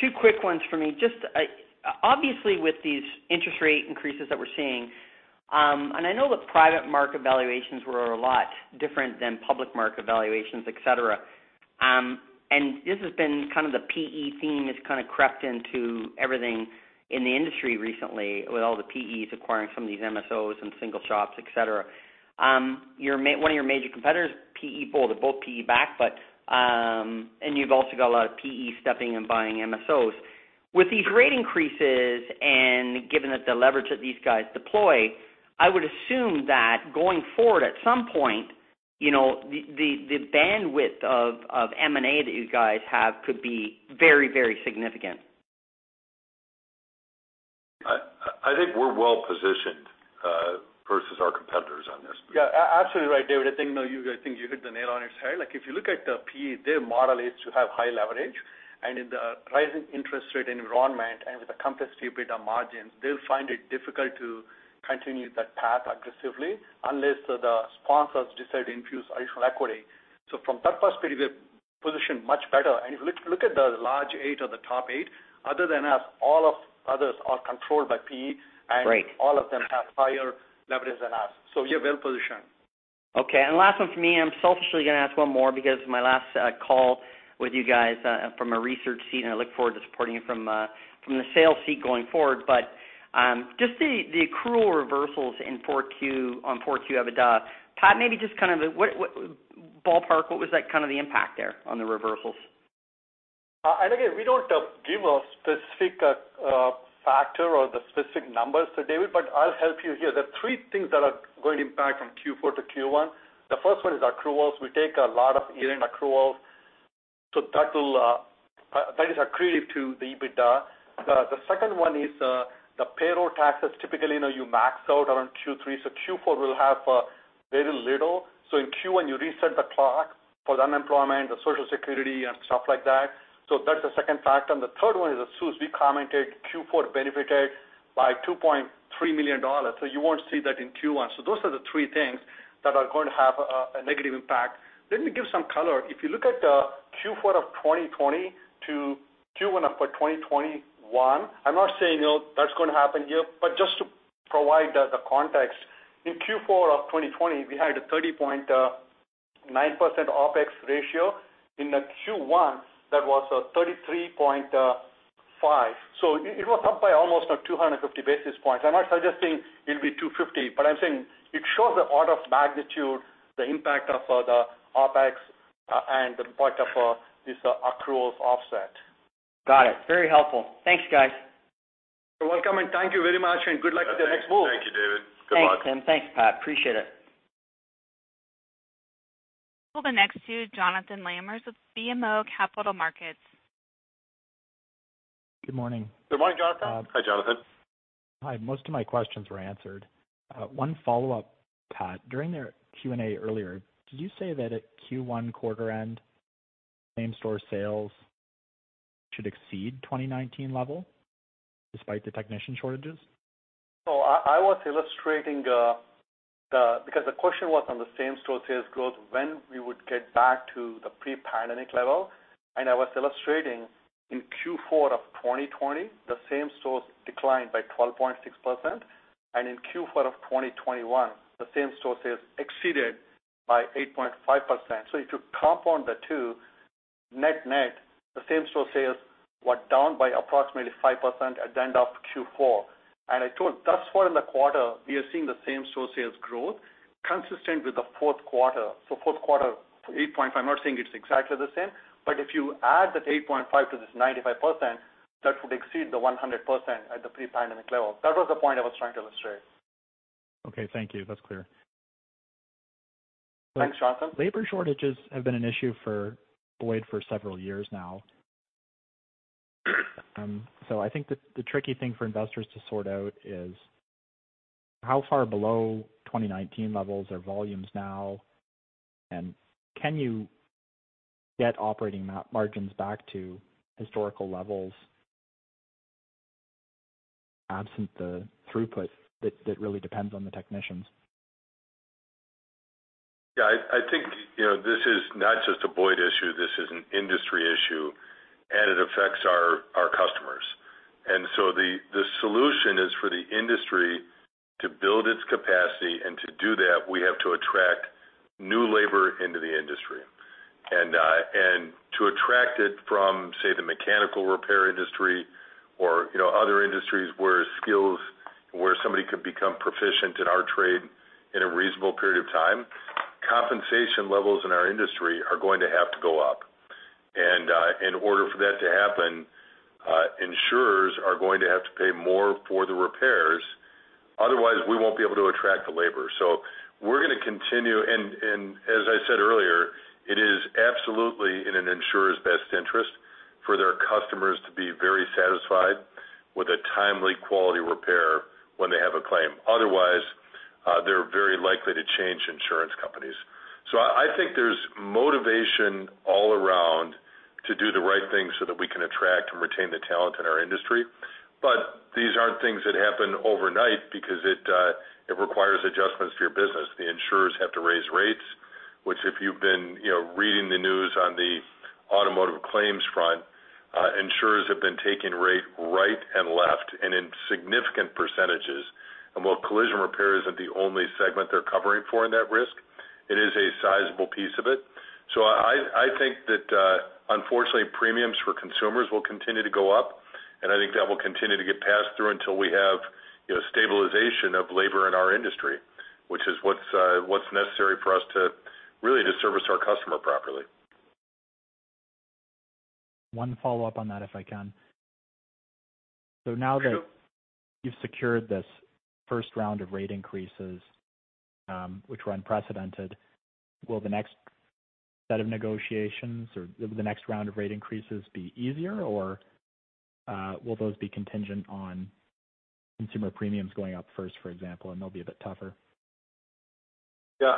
Two quick ones for me. Just, obviously, with these interest rate increases that we're seeing, and I know the private market valuations were a lot different than public market valuations, et cetera. This has been kind of the PE theme that's kind of crept into everything in the industry recently with all the PEs acquiring some of these MSOs and single shops, et cetera. One of your major competitors, PE folded, both PE backed, but, you've also got a lot of PE stepping and buying MSOs. With these rate increases and given that the leverage that these guys deploy, I would assume that going forward, at some point, you know, the bandwidth of M&A that you guys have could be very, very significant. I think we're well positioned versus our competitors on this. Yeah, absolutely right, David. I think, you know, I think you hit the nail on its head. Like, if you look at the PE, their model is to have high leverage. In the rising interest rate environment and with the compressed EBITDA margins, they'll find it difficult to continue that path aggressively unless the sponsors decide to infuse additional equity. From that perspective, we're positioned much better. If you look at the large eight or the top eight, other than us, all of others are controlled by PE- Right. all of them have higher leverage than us. We are well positioned. Okay. Last one for me, and I'm selfishly gonna ask one more because my last call with you guys from a research seat, and I look forward to supporting you from the sales seat going forward. Just the accrual reversals in 4Q on 4Q EBITDA. Pathipati, maybe just kind of what ballpark, what was like kind of the impact there on the reversals? Again, we don't give a specific factor or the specific numbers to David, but I'll help you here. There are three things that are going to impact from Q4 to Q1. The first one is accruals. We take a lot of year-end accruals, so that is accretive to the EBITDA. The second one is the payroll taxes. Typically, you know, you max out around Q3, so Q4 will have very little. In Q1, you reset the clock for the unemployment, the Social Security and stuff like that. That's the second factor. The third one is as we commented, Q4 benefited by $2.3 million, so you won't see that in Q1. Those are the three things. That are going to have a negative impact. Let me give some color. If you look at Q4 of 2020 to Q1 of 2021, I'm not saying, you know, that's gonna happen here, but just to provide the context. In Q4 of 2020, we had a 30.9% OpEx ratio. In the Q1, that was 33.5%. So it was up by almost 250 basis points. I'm not suggesting it'll be 250, but I'm saying it shows the order of magnitude, the impact of the OpEx and the impact of this accruals offset. Got it. Very helpful. Thanks, guys. You're welcome, and thank you very much, and good luck with the next book. Thank you, David. Goodbye. Thanks, Tim. Thanks, Pat. Appreciate it. We'll go next to Jonathan Lamers with BMO Capital Markets. Good morning? Good morning, Jonathan. Hi, Jonathan. Hi. Most of my questions were answered. One follow-up, Pat. During the Q&A earlier, did you say that at Q1 quarter end, same-store sales should exceed 2019 level despite the technician shortages? I was illustrating because the question was on the same-store sales growth, when we would get back to the pre-pandemic level, and I was illustrating in Q4 of 2020, the same-store sales declined by 12.6%, and in Q4 of 2021, the same-store sales exceeded by 8.5%. If you compound the two, net-net, the same-store sales were down by approximately 5% at the end of Q4. I thought thus far in the quarter, we are seeing the same-store sales growth consistent with the fourth quarter. Fourth quarter, 8.5%. I'm not saying it's exactly the same, but if you add that 8.5% to this 95%, that would exceed the 100% at the pre-pandemic level. That was the point I was trying to illustrate. Okay. Thank you. That's clear. Thanks, Jonathan. Labor shortages have been an issue for Boyd for several years now. I think the tricky thing for investors to sort out is how far below 2019 levels are volumes now, and can you get operating margins back to historical levels absent the throughput that really depends on the technicians? Yeah. I think, you know, this is not just a Boyd issue. This is an industry issue, and it affects our customers. The solution is for the industry to build its capacity, and to do that, we have to attract new labor into the industry. To attract it from, say, the mechanical repair industry or, you know, other industries where somebody could become proficient in our trade in a reasonable period of time, compensation levels in our industry are going to have to go up. In order for that to happen, insurers are going to have to pay more for the repairs, otherwise we won't be able to attract the labor. We're gonna continue. As I said earlier, it is absolutely in an insurer's best interest for their customers to be very satisfied with a timely quality repair when they have a claim. Otherwise, they're very likely to change insurance companies. I think there's motivation all around to do the right thing so that we can attract and retain the talent in our industry. These aren't things that happen overnight because it requires adjustments to your business. The insurers have to raise rates, which if you've been, you know, reading the news on the automotive claims front, insurers have been taking rate right and left and in significant percentages. While collision repair isn't the only segment they're covering for in that risk, it is a sizable piece of it. I think that, unfortunately, premiums for consumers will continue to go up, and I think that will continue to get passed through until we have, you know, stabilization of labor in our industry, which is what's necessary for us to really service our customer properly. One follow-up on that, if I can. Now that you've secured this first round of rate increases, which were unprecedented, will the next set of negotiations or the next round of rate increases be easier, or, will those be contingent on consumer premiums going up first, for example, and they'll be a bit tougher? Yeah,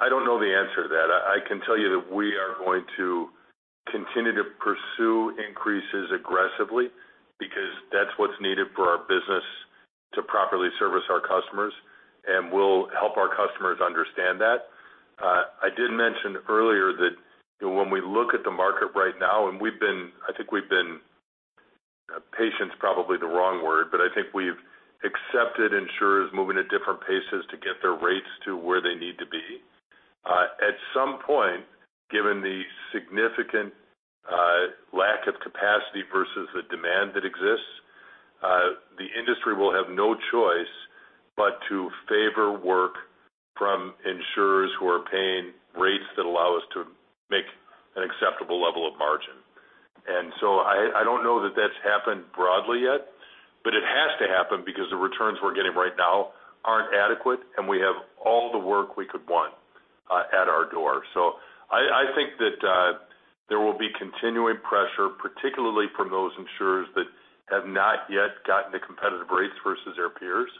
I don't know the answer to that. I can tell you that we are going to continue to pursue increases aggressively because that's what's needed for our business to properly service our customers, and we'll help our customers understand that. I did mention earlier that when we look at the market right now, and we've been. I think patient is probably the wrong word, but I think we've accepted insurers moving at different paces to get their rates to where they need to be.At some point, given the significant lack of capacity versus the demand that exists, the industry will have no choice but to favor work from insurers who are paying rates that allow us to make an acceptable level of margin. I don't know that that's happened broadly yet, but it has to happen because the returns we're getting right now aren't adequate, and we have all the work we could want at our door. I think that there will be continuing pressure, particularly from those insurers that have not yet gotten the competitive rates versus their peers.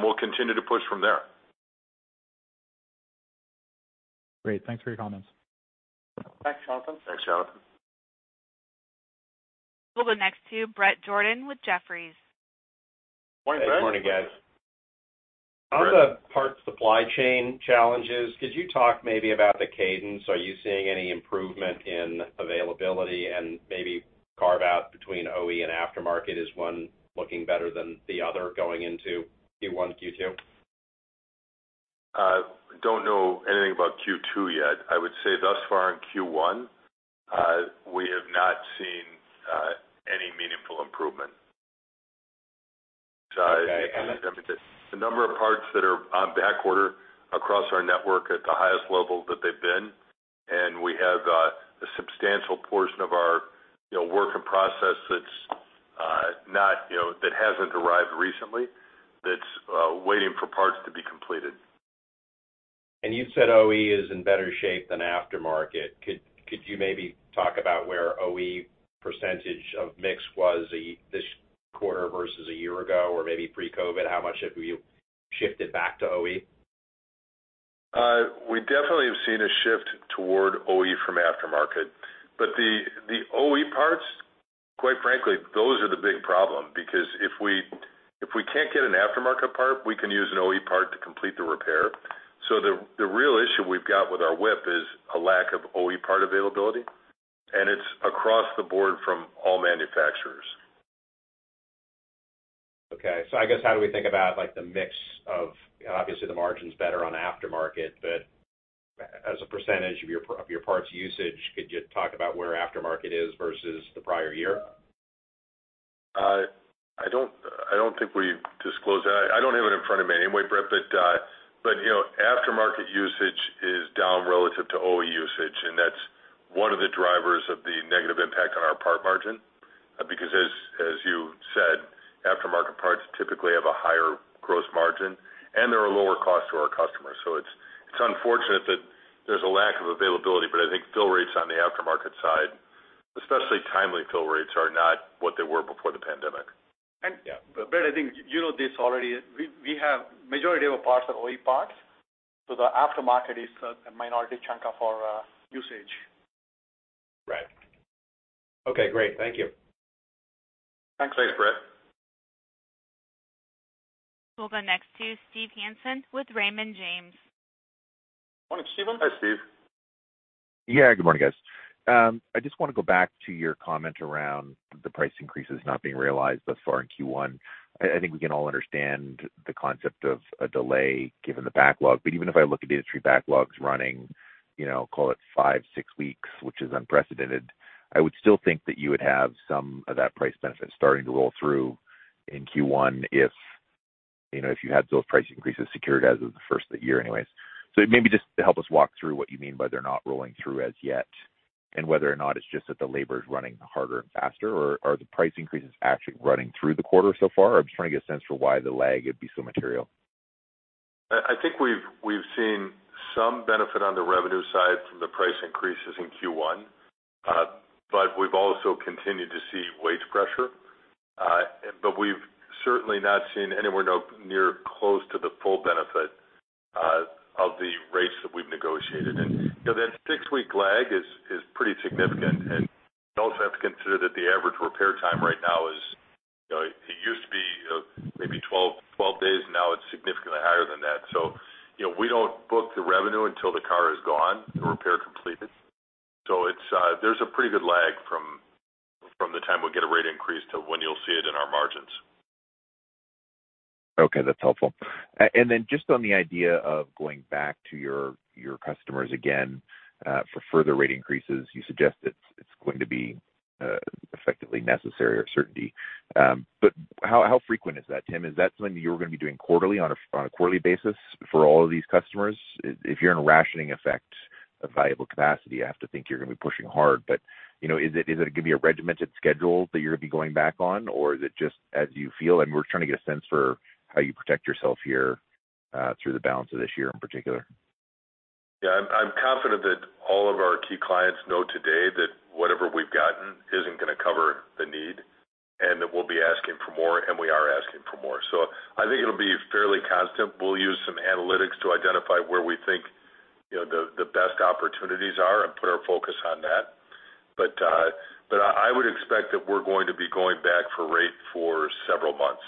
We'll continue to push from there. Great. Thanks for your comments. Thanks, Jonathan. Thanks, Jonathan. We'll go next to Bret Jordan with Jefferies. Good morning, Bret? Good morning, guys. On the parts supply chain challenges, could you talk maybe about the cadence? Are you seeing any improvement in availability and maybe carve out between OE and aftermarket? Is one looking better than the other going into Q1, Q2? Don't know anything about Q2 yet. I would say thus far in Q1, we have not seen any meaningful improvement. Okay. The number of parts that are on backorder across our network at the highest level that they've been, and we have a substantial portion of our, you know, work in process that's not, you know, that hasn't arrived recently, that's waiting for parts to be completed. You said OE is in better shape than aftermarket. Could you maybe talk about where OE percentage of mix was this quarter versus a year ago or maybe pre-COVID? How much have you shifted back to OE? We definitely have seen a shift toward OE from aftermarket. The OE parts, quite frankly, those are the big problem because if we can't get an aftermarket part, we can use an OE part to complete the repair. The real issue we've got with our WIP is a lack of OE part availability, and it's across the board from all manufacturers. Okay. I guess how do we think about, like, the mix of, obviously, the margin's better on aftermarket, but as a percentage of your parts usage, could you talk about where aftermarket is versus the prior year? I don't think we disclose that. I don't have it in front of me anyway, Brett, but you know, aftermarket usage is down relative to OE usage, and that's one of the drivers of the negative impact on our parts margin. Because as you said, aftermarket parts typically have a higher gross margin, and they're a lower cost to our customers. It's unfortunate that there's a lack of availability, but I think fill rates on the aftermarket side, especially timely fill rates, are not what they were before the pandemic. Bret, I think you know this already. We have majority of our parts are OE parts, so the aftermarket is a minority chunk of our usage. Right. Okay, great. Thank you. Thanks. Thanks, Bret. We'll go next to Steve Hansen with Raymond James. Morning, Steve? Hi, Steve? Yeah. Good morning, guys. I just wanna go back to your comment around the price increases not being realized thus far in Q1. I think we can all understand the concept of a delay given the backlog, but even if I look at industry backlogs running, you know, call it 5, 6 weeks, which is unprecedented, I would still think that you would have some of that price benefit starting to roll through in Q1 if, you know, if you had those price increases secured as of the first of the year anyways. Maybe just help us walk through what you mean by they're not rolling through as yet, and whether or not it's just that the labor is running harder and faster, or are the price increases actually running through the quarter so far? I'm just trying to get a sense for why the lag would be so material. I think we've seen some benefit on the revenue side from the price increases in Q1, but we've also continued to see wage pressure. We've certainly not seen anywhere near close to the full benefit of the rates that we've negotiated. You know, that six-week lag is pretty significant, and you also have to consider that the average repair time right now is, you know, it used to be maybe 12 days, now it's significantly higher than that. You know, we don't book the revenue until the car is gone, the repair completed. There's a pretty good lag from the time we get a rate increase to when you'll see it in our margins. Okay, that's helpful. Just on the idea of going back to your customers again for further rate increases, you suggest it's going to be effectively necessary or certain. How frequent is that, Tim? Is that something you're gonna be doing quarterly on a quarterly basis for all of these customers? If you're in a rationing effect of viable capacity, I have to think you're gonna be pushing hard. You know, is it gonna be a regimented schedule that you're gonna be going back on, or is it just as you feel? I mean, we're trying to get a sense for how you protect yourself here through the balance of this year in particular. Yeah. I'm confident that all of our key clients know today that whatever we've gotten isn't gonna cover the need, and that we'll be asking for more, and we are asking for more. I think it'll be fairly constant. We'll use some analytics to identify where we think, you know, the best opportunities are and put our focus on that. But I would expect that we're going to be going back for rate for several months.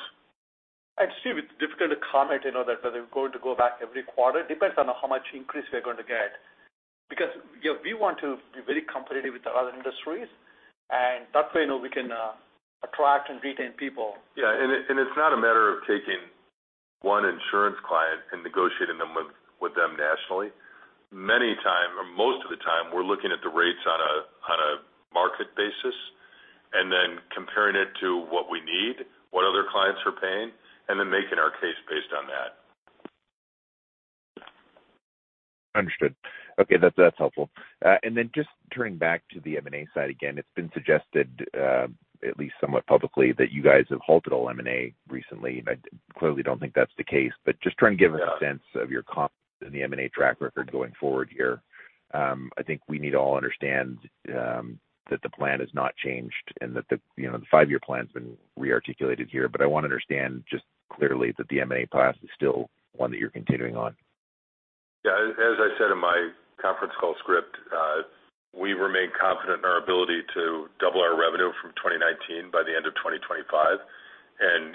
Steve, it's difficult to comment, you know, that that we're going to go back every quarter. Depends on how much increase we are going to get. Because, you know, we want to be very competitive with the other industries, and that way, you know, we can attract and retain people. Yeah. It's not a matter of taking one insurance client and negotiating with them nationally. Many times or most of the time, we're looking at the rates on a market basis and then comparing it to what we need, what other clients are paying, and then making our case based on that. Understood. Okay. That's helpful. Just turning back to the M&A side again, it's been suggested, at least somewhat publicly that you guys have halted all M&A recently, and I clearly don't think that's the case. Just trying to give us- Yeah... a sense of your confidence in the M&A track record going forward here. I think we need to all understand that the plan has not changed and that the, you know, the five-year plan has been re-articulated here. I want to understand just clearly that the M&A path is still one that you're continuing on. As I said in my conference call script, we remain confident in our ability to double our revenue from 2019 by the end of 2025.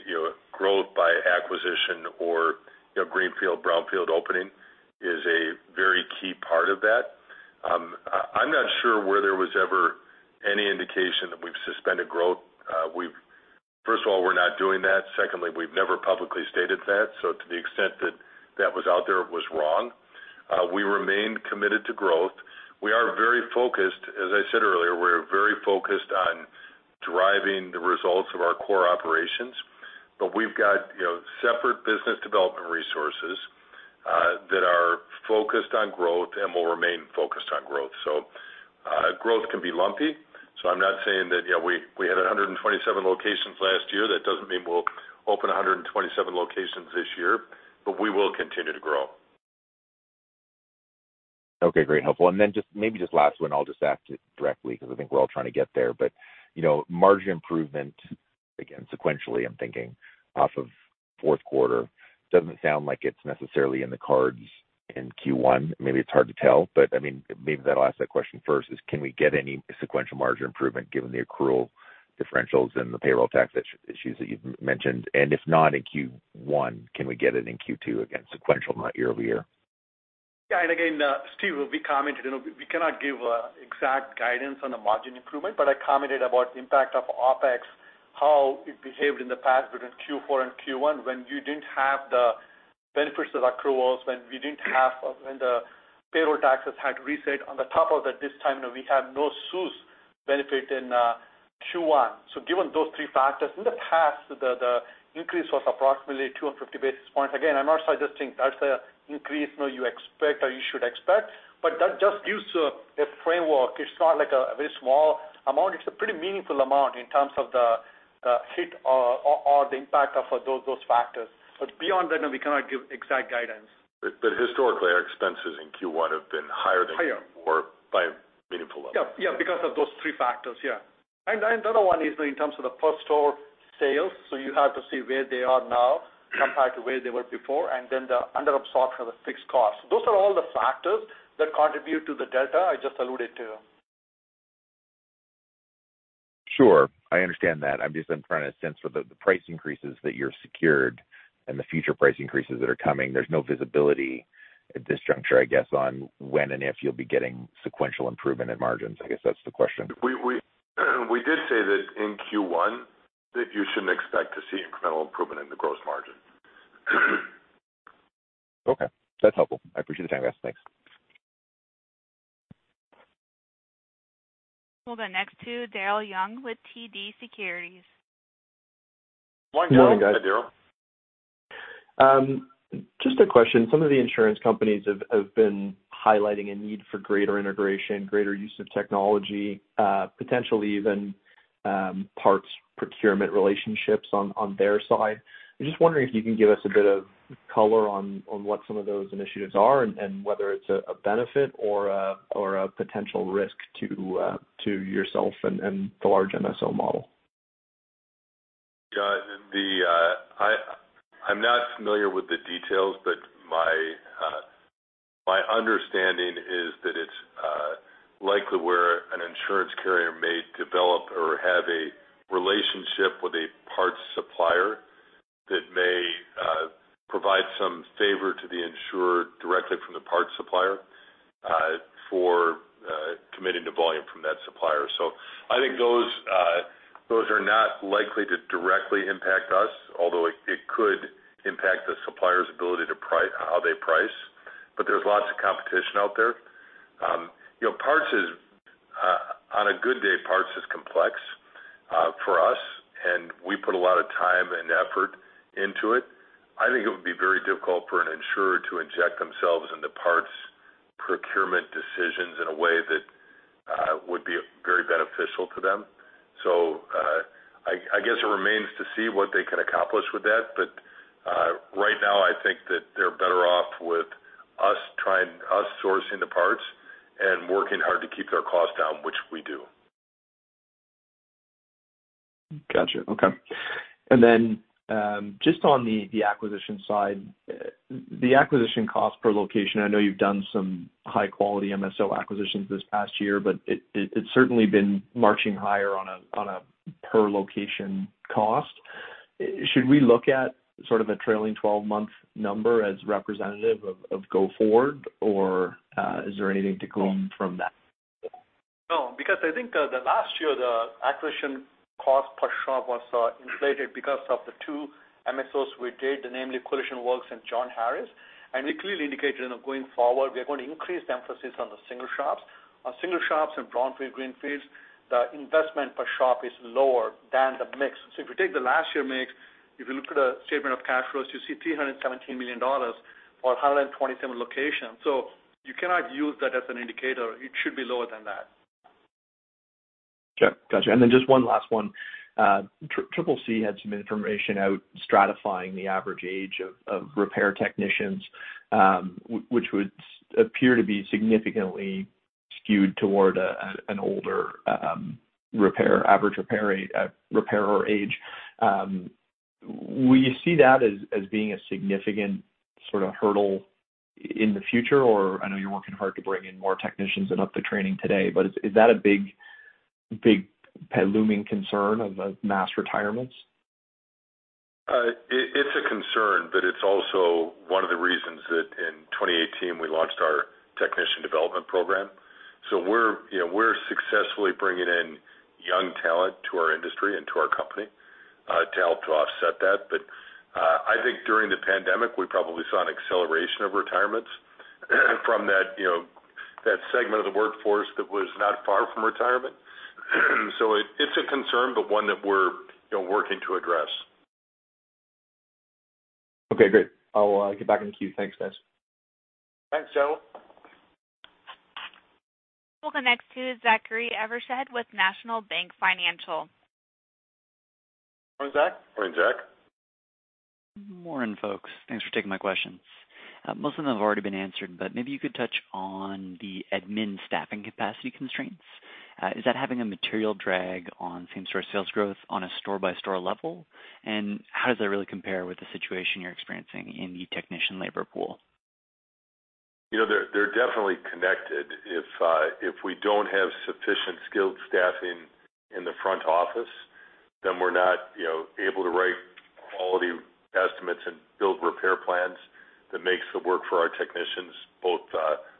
You know, growth by acquisition or, you know, greenfield, brownfield opening is a very key part of that. I'm not sure where there was ever any indication that we've suspended growth. We've first of all, we're not doing that. Secondly, we've never publicly stated that. To the extent that that was out there was wrong. We remain committed to growth. We are very focused, as I said earlier, we're very focused on driving the results of our core operations. You know, separate business development resources that are focused on growth and will remain focused on growth. Growth can be lumpy. I'm not saying that, you know, we had 127 locations last year, that doesn't mean we'll open 127 locations this year, but we will continue to grow. Okay, great. Helpful. Just maybe just last one, I'll just ask it directly because I think we're all trying to get there. You know, margin improvement, again, sequentially, I'm thinking off of fourth quarter, doesn't sound like it's necessarily in the cards in Q1. Maybe it's hard to tell, I mean, maybe that. I'll ask that question first, is can we get any sequential margin improvement given the accrual differentials and the payroll tax issues that you've mentioned? If not in Q1, can we get it in Q2? Again, sequential, not year-over-year. Yeah. Again, Steve, we commented, you know, we cannot give exact guidance on the margin improvement, but I commented about the impact of OpEx, how it behaved in the past between Q4 and Q1 when you didn't have the benefits of accruals, when the payroll taxes had reset. On top of that, this time, we have no CEWS benefit in Q1. Given those three factors in the past, the increase was approximately 250 basis points. Again, I'm not suggesting that's the increase, you know, you expect or you should expect, but that just gives a framework. It's not like a very small amount. It's a pretty meaningful amount in terms of the hit or the impact of those factors. But beyond that, no, we cannot give exact guidance. Historically, our expenses in Q1 have been higher than- Higher by a meaningful level. Yeah. Because of those three factors. Yeah. The other one is in terms of the same-store sales. You have to see where they are now compared to where they were before, and then the under absorption of the fixed costs. Those are all the factors that contribute to the delta I just alluded to. Sure. I understand that. I'm just trying to sense for the price increases that you're secured and the future price increases that are coming. There's no visibility at this juncture, I guess, on when and if you'll be getting sequential improvement in margins. I guess that's the question. We did say that in Q1 that you shouldn't expect to see incremental improvement in the gross margin. Okay. That's helpful. I appreciate the time, guys. Thanks. We'll go next to Daryl Young with TD Securities. Good morning, guys. Hi, Daryl. Just a question. Some of the insurance companies have been highlighting a need for greater integration, greater use of technology, potentially even parts procurement relationships on their side. I'm just wondering if you can give us a bit of color on what some of those initiatives are and whether it's a benefit or a potential risk to yourself and the large MSO model. I'm not familiar with the details, but my understanding is that it's likely where an insurance carrier may develop or have a relationship with a parts supplier that may provide some favor to the insurer directly from the parts supplier for committing to volume from that supplier. I think those are not likely to directly impact us, although it could impact the supplier's ability to price, how they price. There's lots of competition out there. You know, on a good day, parts is complex for us, and we put a lot of time and effort into it. I think it would be very difficult for an insurer to inject themselves into parts procurement decisions in a way that would be very beneficial to them. I guess it remains to see what they can accomplish with that. Right now, I think that they're better off with us sourcing the parts and working hard to keep their costs down, which we do. Got you. Okay. Just on the acquisition side, the acquisition cost per location, I know you've done some high-quality MSO acquisitions this past year, but it's certainly been marching higher on a per location cost. Should we look at sort of a trailing twelve-month number as representative of go forward, or is there anything to glean from that? No, because I think the last year, the acquisition cost per shop was inflated because of the two MSOs we did, namely Collision Works and John Harris. We clearly indicated that going forward, we are going to increase the emphasis on the single shops. Our single shops in brownfield, greenfields, the investment per shop is lower than the mix. If you take the last year mix, if you look at a statement of cash flows, you see 317 million dollars for 127 locations. You cannot use that as an indicator. It should be lower than that. Sure. Gotcha. Just one last one. CCC had some information out stratifying the average age of repair technicians, which would appear to be significantly skewed toward an older average repairer age. Will you see that as being a significant sort of hurdle in the future, or I know you're working hard to bring in more technicians and up the training today, but is that a big looming concern of mass retirements? It's a concern, but it's also one of the reasons that in 2018 we launched our technician development program. We're, you know, successfully bringing in young talent to our industry and to our company to help offset that. I think during the pandemic, we probably saw an acceleration of retirements from that segment of the workforce that was not far from retirement. It's a concern, but one that we're, you know, working to address. Okay, great. I'll get back in queue. Thanks, guys. Thanks, Daryl. We'll go next to Zachary Evershed with National Bank Financial. Morning, Zach? Morning, folks. Thanks for taking my questions. Most of them have already been answered, but maybe you could touch on the admin staffing capacity constraints. Is that having a material drag on same-store sales growth on a store-by-store level? How does that really compare with the situation you're experiencing in the technician labor pool? You know, they're definitely connected. If we don't have sufficient skilled staffing in the front office, then we're not, you know, able to write quality estimates and build repair plans that makes the work for our technicians both,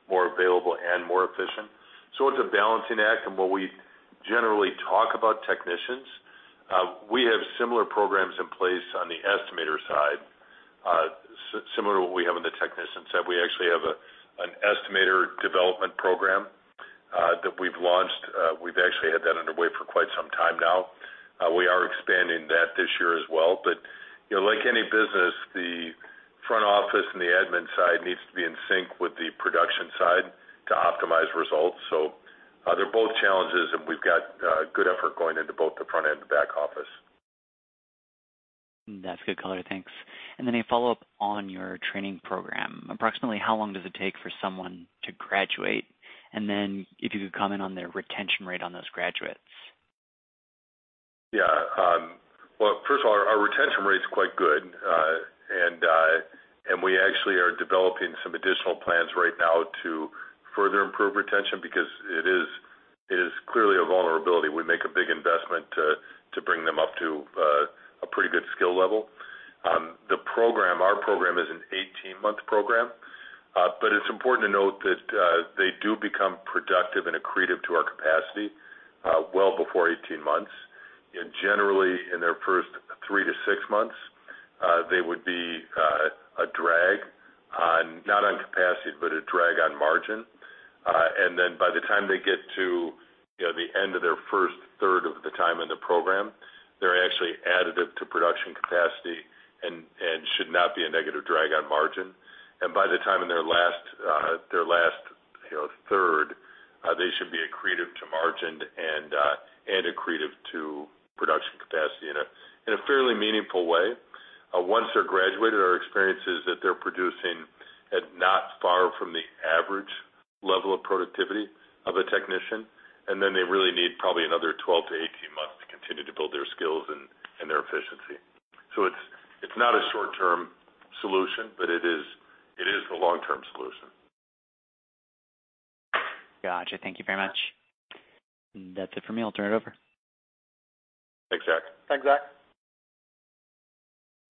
more available and more efficient. It's a balancing act, and when we generally talk about technicians, we have similar programs in place on the estimator side, similar to what we have on the technician side. We actually have an estimator development program that we've launched. We've actually had that underway for quite some time now. We are expanding that this year as well. You know, like any business, the front office and the admin side needs to be in sync with the production side to optimize results. They're both challenges, and we've got good effort going into both the front end and back office. That's good color. Thanks. A follow-up on your training program. Approximately how long does it take for someone to graduate? If you could comment on their retention rate on those graduates. Yeah. Well, first of all, our retention rate's quite good. We actually are developing some additional plans right now to further improve retention because it is clearly a vulnerability. We make a big investment to bring them up to a pretty good skill level. Our program is an 18-month program, but it's important to note that they do become productive and accretive to our capacity well before 18 months. Generally, in their first three to six months, they would be a drag on, not on capacity, but a drag on margin. Then by the time they get to, you know, the end of their first third of the time in the program, they're actually additive to production capacity and should not be a negative drag on margin. By the time in their last, you know, third, they should be accretive to margin and accretive to production capacity in a fairly meaningful way. Once they're graduated, our experience is that they're producing at not far from the average level of productivity of a technician, and then they really need probably another 12-18 months to continue to build their skills and their efficiency. It's not a short-term solution, but it is a long-term solution. Gotcha. Thank you very much. That's it for me. I'll turn it over. Thanks, Zach. Thanks, Zach.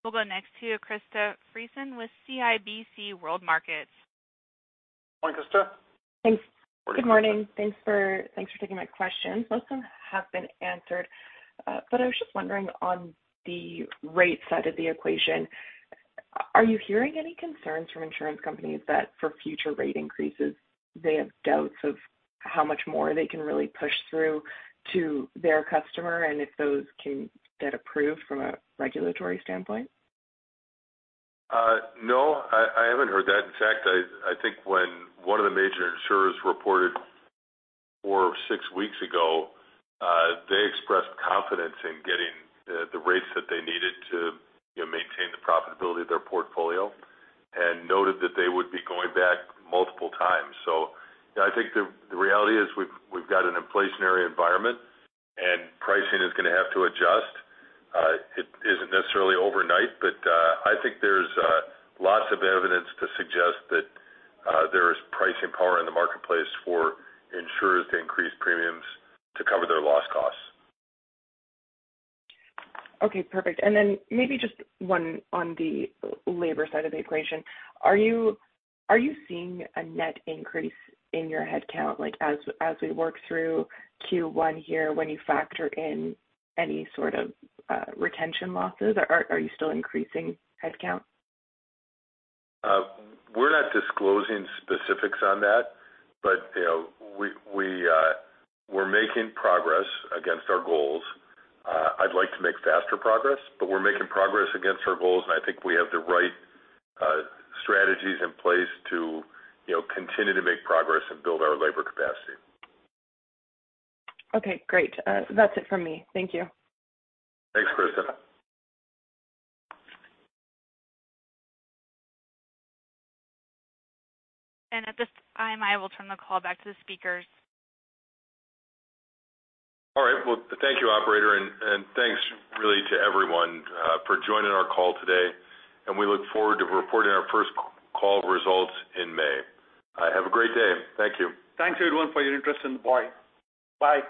We'll go next to Krista Friesen with CIBC World Markets. Morning, Krista. Thanks. Good morning. Thanks for taking my questions. Most of them have been answered. I was just wondering on the rate side of the equation, are you hearing any concerns from insurance companies that for future rate increases, they have doubts of how much more they can really push through to their customer, and if those can get approved from a regulatory standpoint? No, I haven't heard that. In fact, I think when one of the major insurers reported 4 or 6 weeks ago, they expressed confidence in getting the rates that they needed to, you know, maintain the profitability of their portfolio and noted that they would be going back multiple times. You know, I think the reality is we've got an inflationary environment, and pricing is gonna have to adjust. It isn't necessarily overnight, but I think there's lots of evidence to suggest that there is pricing power in the marketplace for insurers to increase premiums to cover their loss costs. Okay, perfect. Maybe just one on the labor side of the equation. Are you seeing a net increase in your headcount, like, as we work through Q1 here, when you factor in any sort of retention losses, are you still increasing headcount? We're not disclosing specifics on that, but you know, we're making progress against our goals. I'd like to make faster progress, but we're making progress against our goals, and I think we have the right strategies in place to, you know, continue to make progress and build our labor capacity. Okay, great. That's it from me. Thank you. Thanks, Krista. At this time, I will turn the call back to the speakers. All right. Well, thank you, operator, and thanks really to everyone for joining our call today. We look forward to reporting our first quarter results in May. Have a great day. Thank you. Thanks, everyone, for your interest, and bye. Bye.